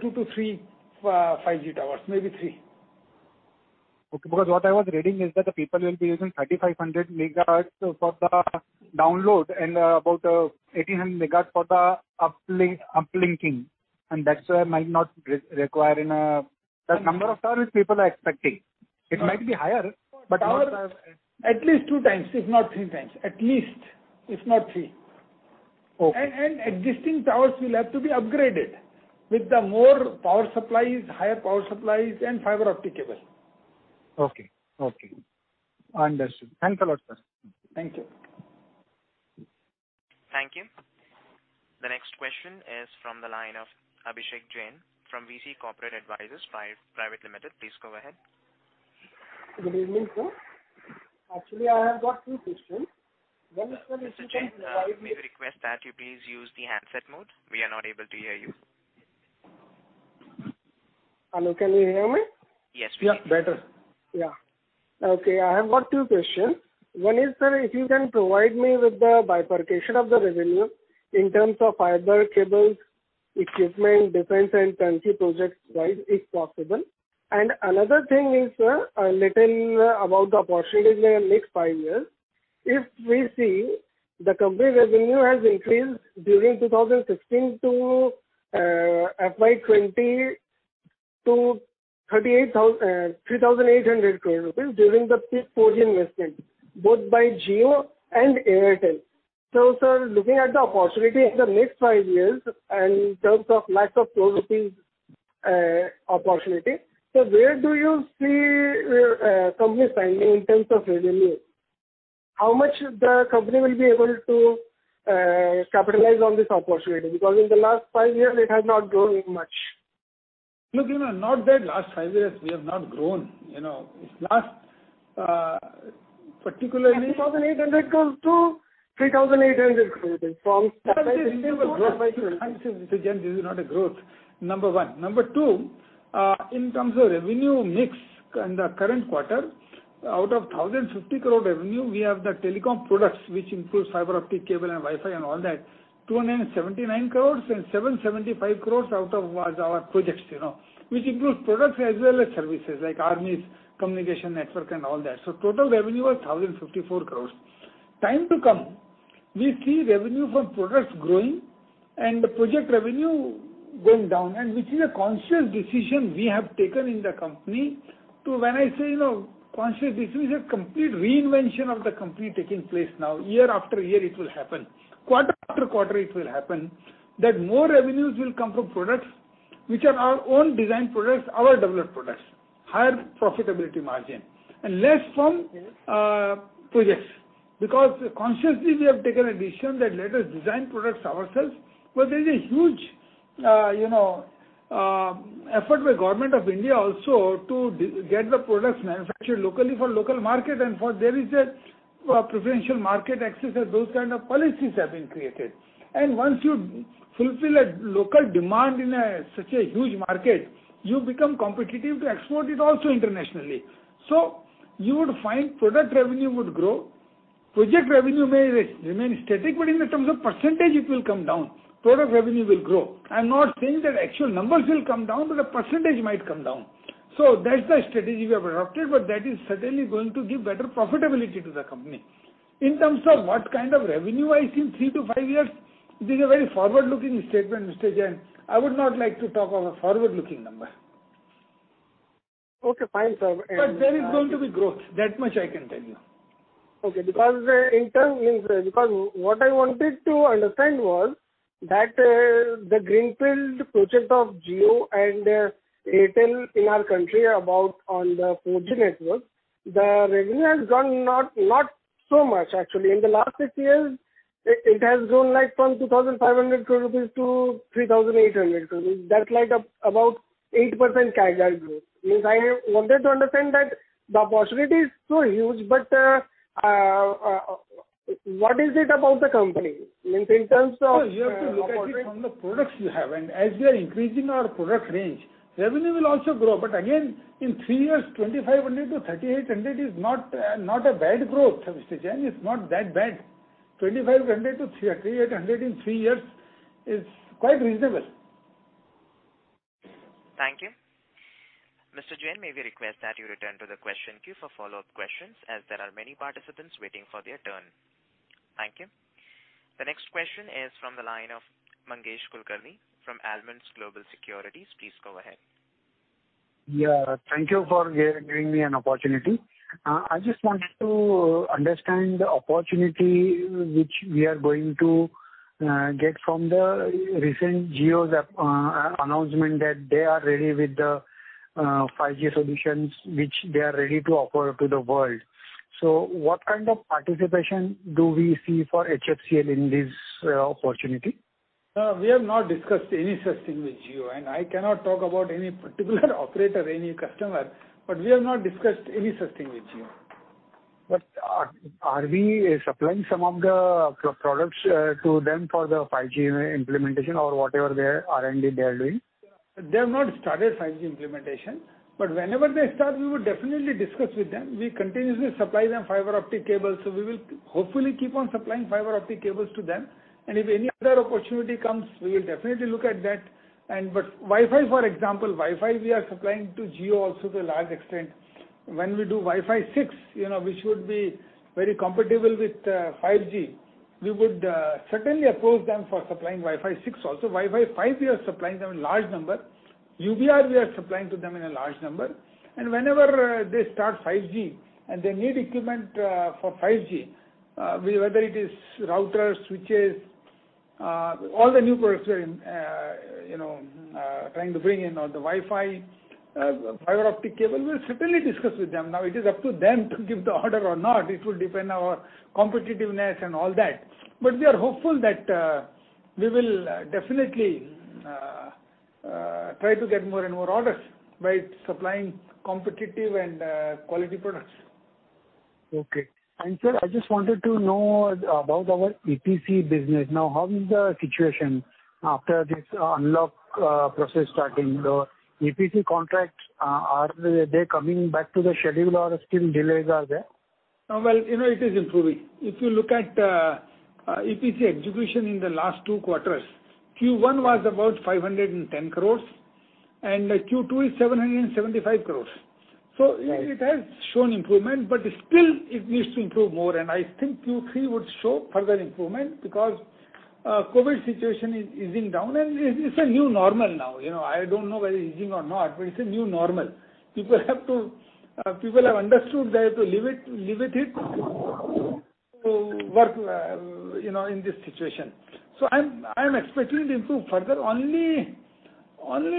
two to three 5G towers, maybe three. Okay. Because what I was reading is that the people will be using 3,500 MHz for the download and about 1,800 MHz for the uplinking, and that's why it might not require the number of towers people are expecting. It might be higher. At least 2x, if not 3x. At least, if not three. Okay. Existing towers will have to be upgraded with the more power supplies, higher power supplies, and fiber optic cable. Okay. Understood. Thanks a lot, sir. Thank you. Thank you. The next question is from the line of Abhishek Jain from VC Corporate Advisors Private Limited. Please go ahead. Good evening, sir. Actually, I have got two questions. Mr. Jain, may we request that you please use the handset mode. We are not able to hear you. Hello, can you hear me? Yes, we can. Yes, better. Yeah. Okay. I have got two questions. One is, sir, if you can provide me with the bifurcation of the revenue in terms of fiber, cables, equipment, defense, and turnkey projects wise, if possible. Another thing is, sir, a little about the opportunity in the next five years. If we see, the company revenue has increased during 2016 to FY 2020 to 3,800 during the 4G investment, both by Jio and Airtel. Sir, looking at the opportunity in the next five years in terms of lack of opportunity, sir, where do you see company standing in terms of revenue? How much the company will be able to capitalize on this opportunity? Because in the last five years, it has not grown much. Look, not that last five years we have not grown. 3,800 crore-3,800 crore. This is not a growth, number one. Number two, in terms of revenue mix in the current quarter, out of 1,050 crore revenue, we have the telecom products, which includes fiber optic cable and Wi-Fi and all that, 279 crore, and 775 crore out of our projects. Which includes products as well as services, like army's communication network and all that. Total revenue was 1,054 crore. We see revenue from products growing and the project revenue going down, which is a conscious decision we have taken in the company to when I say, conscious decision, complete reinvention of the company taking place now. Year after year, it will happen. Quarter after quarter, it will happen that more revenues will come from products, which are our own design products, our developed products, higher profitability margin and less from projects. Consciously, we have taken a decision that let us design products ourselves, but there is a huge effort by Government of India also to get the products manufactured locally for local market and for there is a preferential market access and those kind of policies have been created. Once you fulfill a local demand in such a huge market, you become competitive to export it also internationally. You would find project revenue would grow. Project revenue may remain static, but in terms of percentage, it will come down. Project revenue will grow. I'm not saying that actual numbers will come down, but the percentage might come down. That's the strategy we have adopted, but that is certainly going to give better profitability to the company. In terms of what kind of revenue I see in three to five years, this is a very forward-looking statement, Mr. Jain. I would not like to talk of a forward-looking number. Okay, fine, sir. There is going to be growth. That much I can tell you. What I wanted to understand was that the greenfield project of Jio and Airtel in our country on the 4G network, the revenue has grown not so much actually. In the last six years, it has grown from 2,500 crore rupees to 3,800 crore rupees. That's about 8% CAGR growth. Means I wanted to understand that the opportunity is so huge, what is it about the company? You have to look at it from the products you have, and as we are increasing our product range, revenue will also grow. Again, in three years, 2,500 crore-3,800 crore is not a bad growth, Mr. Jain. It is not that bad. 2,500 crore-3,800 crore in three years is quite reasonable. Thank you. Mr. Jain, may we request that you return to the question queue for follow-up questions, as there are many participants waiting for their turn. Thank you. The next question is from the line of Mangesh Kulkarni from Almondz Global Securities. Please go ahead. Yeah, thank you for giving me an opportunity. I just wanted to understand the opportunity which we are going to get from the recent Jio's announcement that they are ready with the 5G solutions which they are ready to offer to the world. What kind of participation do we see for HFCL in this opportunity? We have not discussed any such thing with Jio. I cannot talk about any particular operator or any customer. We have not discussed any such thing with Jio. Are we supplying some of the products to them for the 5G implementation or whatever R&D they are doing? They have not started 5G implementation. Whenever they start, we would definitely discuss with them. We continuously supply them fiber optic cables, so we will hopefully keep on supplying fiber optic cables to them. If any other opportunity comes, we will definitely look at that. Wi-Fi, for example, Wi-Fi we are supplying to Jio also to a large extent. When we do Wi-Fi 6, which would be very compatible with 5G, we would certainly approach them for supplying Wi-Fi 6 also. Wi-Fi 5, we are supplying them in large number. UBR, we are supplying to them in a large number. Whenever they start 5G, and they need equipment for 5G, whether it is routers, switches, all the new products we're trying to bring in or the Wi-Fi, fiber optic cable, we'll certainly discuss with them. Now it is up to them to give the order or not. It will depend on our competitiveness and all that. We are hopeful that we will definitely try to get more and more orders by supplying competitive and quality products. Okay. Sir, I just wanted to know about our EPC business. How is the situation after this unlock process starting? The EPC contracts, are they coming back to the schedule or still delays are there? It is improving. If you look at EPC execution in the last two quarters, Q1 was about 510 crores, and Q2 is 775 crores. It has shown improvement, but still, it needs to improve more. I think Q3 would show further improvement because COVID situation is easing down, and it's a new normal now. I don't know whether easing or not, but it's a new normal. People have understood they have to live with it, to work in this situation. I am expecting it to improve further. Only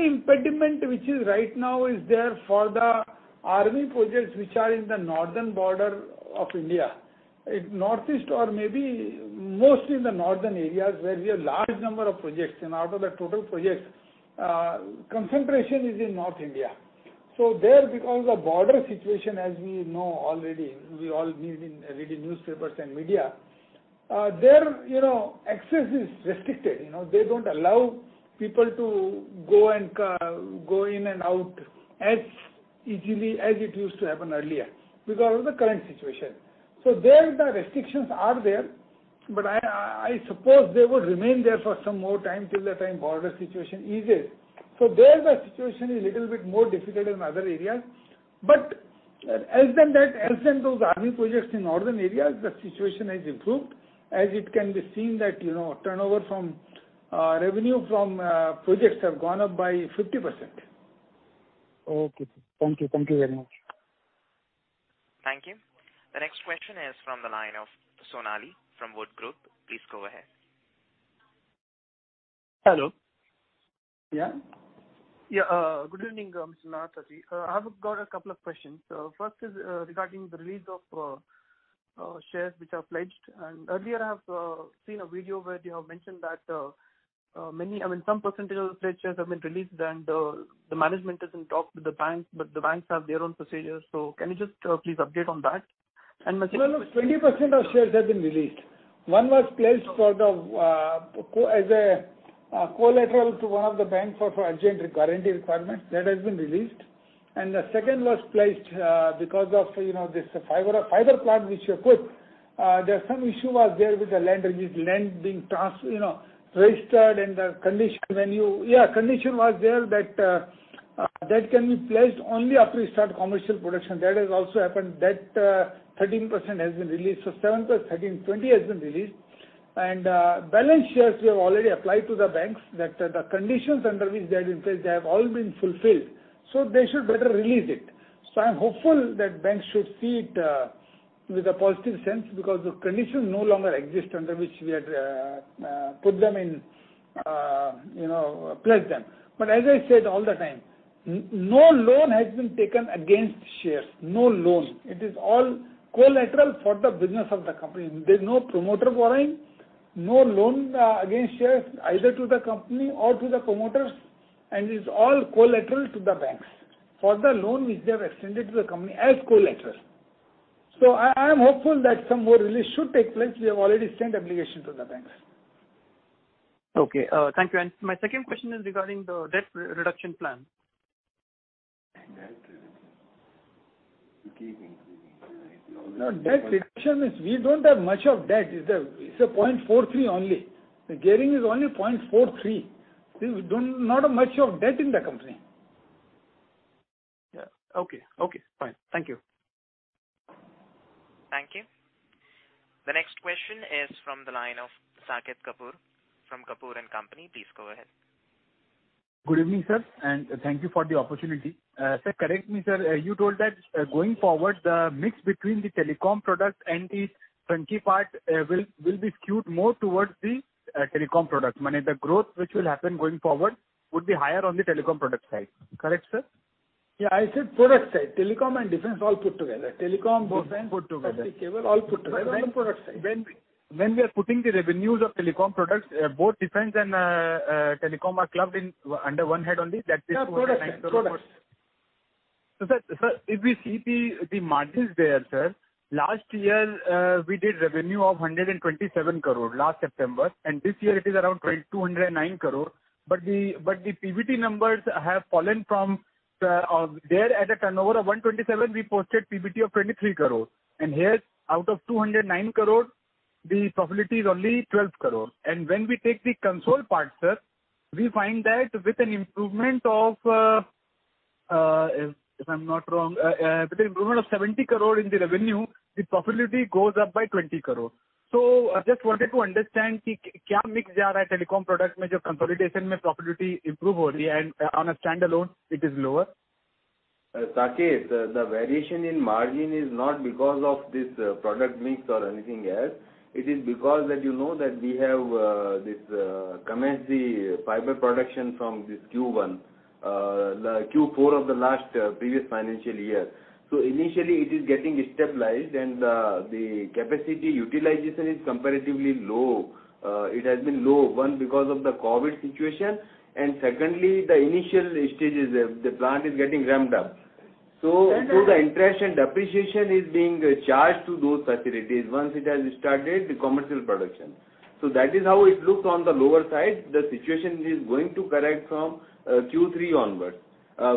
impediment which is right now is there for the army projects which are in the northern border of India. Northeast or maybe mostly in the northern areas where we have large number of projects, and out of the total projects, concentration is in North India. There, because the border situation as we know already, we all read in newspapers and media, there access is restricted. They don't allow people to go in and out as easily as it used to happen earlier because of the current situation. There, the restrictions are there, but I suppose they would remain there for some more time till the time border situation eases. There, the situation is little bit more difficult than other areas. Other than those army projects in northern areas, the situation has improved. As it can be seen that revenue from projects have gone up by 50%. Okay. Thank you. Thank you very much. Thank you. The next question is from the line of Sonali from Wood Group. Please go ahead. Hello. Yeah. Good evening, Mr. Nahata. I have got a couple of questions. First is regarding the release of shares which are pledged. Earlier I have seen a video where they have mentioned that some percentage of pledged shares have been released and the management is in talk with the banks. The banks have their own procedures. Can you just please update on that? 20% of shares have been released. One was placed as a collateral to one of the banks for our guarantee requirements. That has been released. The second was placed because of this fiber plant which we have put. There's some issue was there with the land being registered and the condition was there that can be pledged only after we start commercial production. That has also happened. That 13% has been released. 7%+, 13%, 20% has been released. Balance shares we have already applied to the banks that the conditions under which they have been placed, they have all been fulfilled. They should better release it. I'm hopeful that banks should see it with a positive sense because the conditions no longer exist under which we had pledged them. As I said all the time, no loan has been taken against shares. No loan. It is all collateral for the business of the company. There's no promoter borrowing, no loan against shares, either to the company or to the promoters, and it's all collateral to the banks for the loan which they have extended to the company as collateral. I am hopeful that some more release should take place. We have already sent application to the banks. Okay. Thank you. My second question is regarding the debt reduction plan. Debt reduction. It keeps increasing. No, we don't have much of debt. It's 0.43 only. The gearing is only 0.43. We don't have much of debt in the company. Yeah. Okay. Fine. Thank you. Thank you. The next question is from the line of Saket Kapoor from Kapoor & Company. Please go ahead. Good evening, sir, and thank you for the opportunity. Sir, correct me, sir. You told that going forward, the mix between the telecom product and the turnkey part will be skewed more towards the telecom product. The growth which will happen going forward would be higher on the telecom product side. Correct, sir? Yeah, I said product side. Telecom and defense all put together. Put together The cable all put together on the product side. When we are putting the revenues of telecom products, both defense and telecom are clubbed under one head only? Yeah, product. Sir, if we see the margins there, sir, last year, we did revenue of 127 crore last September, and this year it is around 209 crore. The PBT numbers have fallen from there. At a turnover of 127 crore, we posted PBT of 23 crore. Here, out of 209 crore, the profitability is only 12 crore. When we take the console part, sir, we find that with an improvement of, if I'm not wrong, with an improvement of 70 crore in the revenue, the profitability goes up by 20 crore. I just wanted to understand, telecom product consolidation profitability improve only and on a standalone it is lower. Saket, the variation in margin is not because of this product mix or anything else. It is because that you know that we have commenced the fiber production from this Q1, the Q4 of the last previous financial year. Initially it is getting stabilized and the capacity utilization is comparatively low. It has been low, one, because of the COVID situation, and secondly, the initial stages, the plant is getting ramped up. The interest and depreciation is being charged to those facilities once it has started the commercial production. That is how it looks on the lower side. The situation is going to correct from Q3 onwards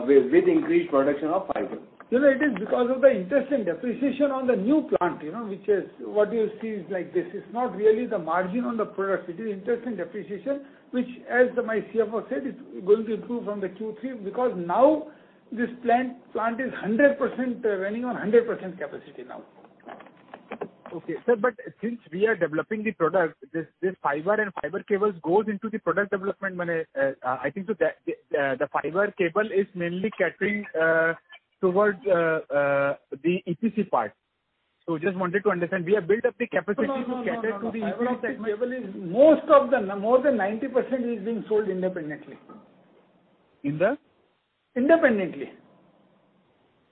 with increased production of fiber. No, it is because of the interest and depreciation on the new plant, which is what you see is like this. It's not really the margin on the product. It is interest and depreciation, which as my CFO said, it's going to improve from the Q3 because now this plant is running on 100% capacity now. Okay. Sir, since we are developing the product, this fiber and fiber cables goes into the product development. I think the fiber cable is mainly catering towards the EPC part. Just wanted to understand, we have built up the capacity to cater to the increase that- No, fiber optic cable is more than 90% is being sold independently. In the? Independently.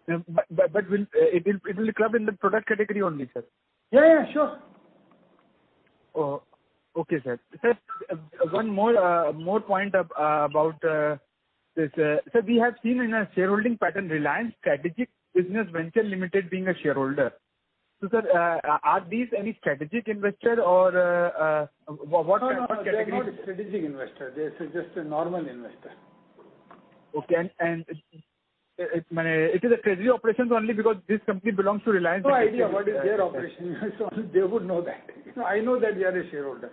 It will club in the product category only, sir? Yeah, sure. Oh, okay, sir. Sir, one more point about this. Sir, we have seen in our shareholding pattern Reliance Strategic Business Ventures Limited being a shareholder. Sir, are these any strategic investor or what category-? No, they're not a strategic investor. They're just a normal investor. Okay. It is a treasury operations only because this company belongs to Reliance- No idea what is their operation. They would know that. I know that they are a shareholder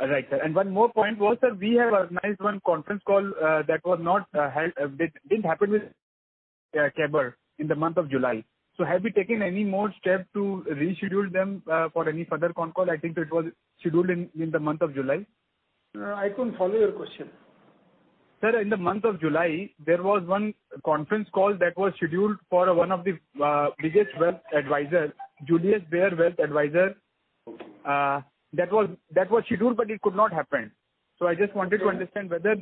Right, sir. One more point was that we have organized one conference call, that didn't happen with Baer in the month of July. Have you taken any more step to reschedule them for any further con call? I think it was scheduled in the month of July. No, I couldn't follow your question. Sir, in the month of July, there was one conference call that was scheduled for one of the biggest wealth advisors, Julius Baer Wealth Advisor. That was scheduled, but it could not happen. I just wanted to understand whether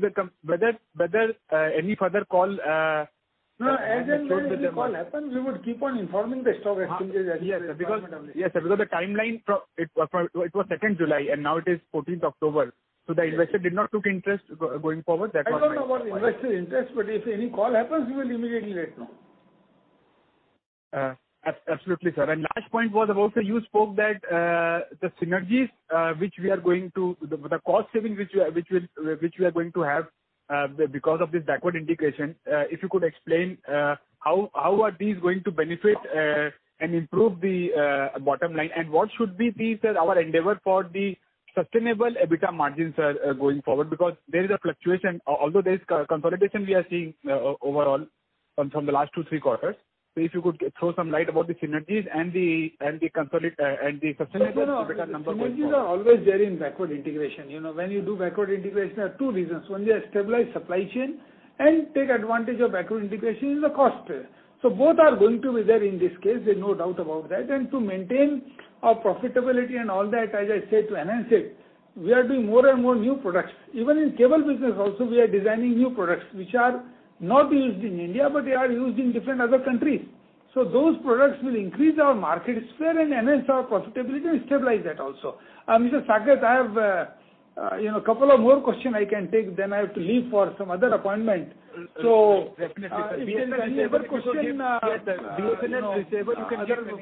any further call- No, as and when any call happens, we would keep on informing the stock exchanges and the Department of Defense. Yes, sir. Because the timeline, it was 2nd July, and now it is 14th October. The investor did not took interest going forward, that's why. I don't know about investor interest, but if any call happens, we will immediately let know. Absolutely, sir. Last point was about, sir, you spoke that the synergies, the cost saving which we are going to have, because of this backward integration. If you could explain how are these going to benefit, and improve the bottom line, and what should be our endeavor for the sustainable EBITDA margins, sir, going forward, because there is a fluctuation, although there is consolidation we are seeing overall from the last two, three quarters. If you could throw some light about the synergies and the sustainable EBITDA number going forward. Synergies are always there in backward integration. When you do backward integration, there are two reasons. One, you have stabilized supply chain and take advantage of backward integration in the cost. Both are going to be there in this case, there's no doubt about that. To maintain our profitability and all that, as I said, to enhance it, we are doing more and more new products. Even in cable business also, we are designing new products, which are not used in India, but they are used in different other countries. Those products will increase our market share and enhance our profitability, and stabilize that also. Mr. Saket, I have a couple of more question I can take, then I have to leave for some other appointment. Definitely, sir. If there's any other question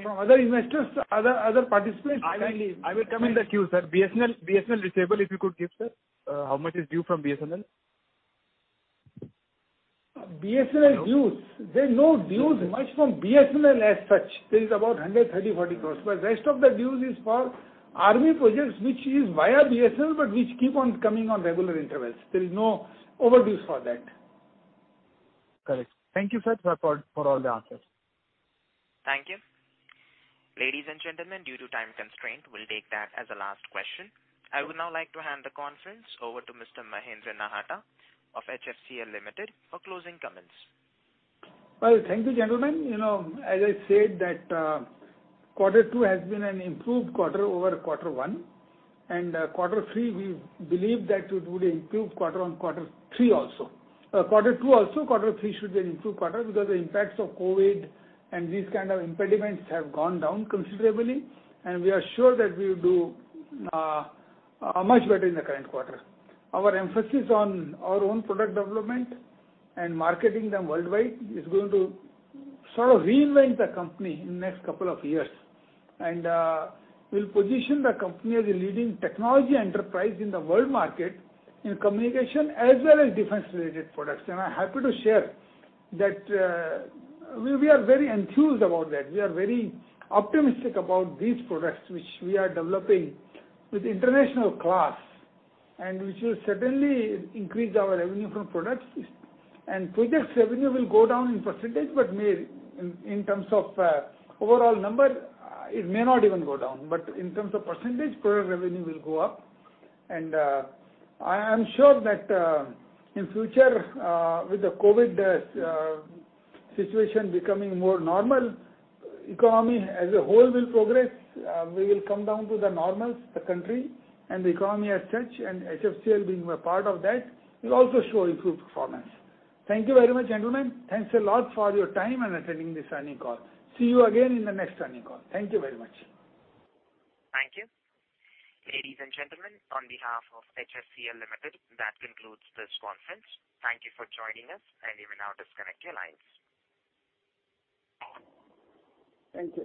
from other investors, other participants. I will come in the queue, sir. BSNL receivable, if you could give, sir. How much is due from BSNL? BSNL dues. There's no dues much from BSNL as such. There is about 130 crores, INR 140 crores. Rest of the dues is for army projects, which is via BSNL, but which keep on coming on regular intervals. There is no overdues for that. Correct. Thank you, sir, for all the answers. Thank you. Ladies and gentlemen, due to time constraint, we'll take that as the last question. I would now like to hand the conference over to Mr. Mahendra Nahata of HFCL Limited for closing comments. Well, thank you, gentlemen. As I said that quarter two has been an improved quarter over quarter one, quarter three, we believe that it would improve quarter three also. Quarter two also, quarter three should be an improved quarter because the impacts of COVID and these kind of impediments have gone down considerably, we are sure that we'll do much better in the current quarter. Our emphasis on our own product development and marketing them worldwide is going to sort of reinvent the company in next couple of years. We'll position the company as a leading technology enterprise in the world market in communication as well as defense-related products. I'm happy to share that we are very enthused about that. We are very optimistic about these products, which we are developing with international class, which will certainly increase our revenue from products. Projects revenue will go down in percentage, but in terms of overall number, it may not even go down. In terms of percentage, project revenue will go up. I am sure that in future, with the COVID situation becoming more normal, economy as a whole will progress. We will come down to the normals, the country and the economy as such, and HFCL being a part of that, will also show improved performance. Thank you very much, gentlemen. Thanks a lot for your time and attending this earning call. See you again in the next earning call. Thank you very much. Thank you. Ladies and gentlemen, on behalf of HFCL Limited, that concludes this conference. Thank you for joining us, and you may now disconnect your lines. Thank you.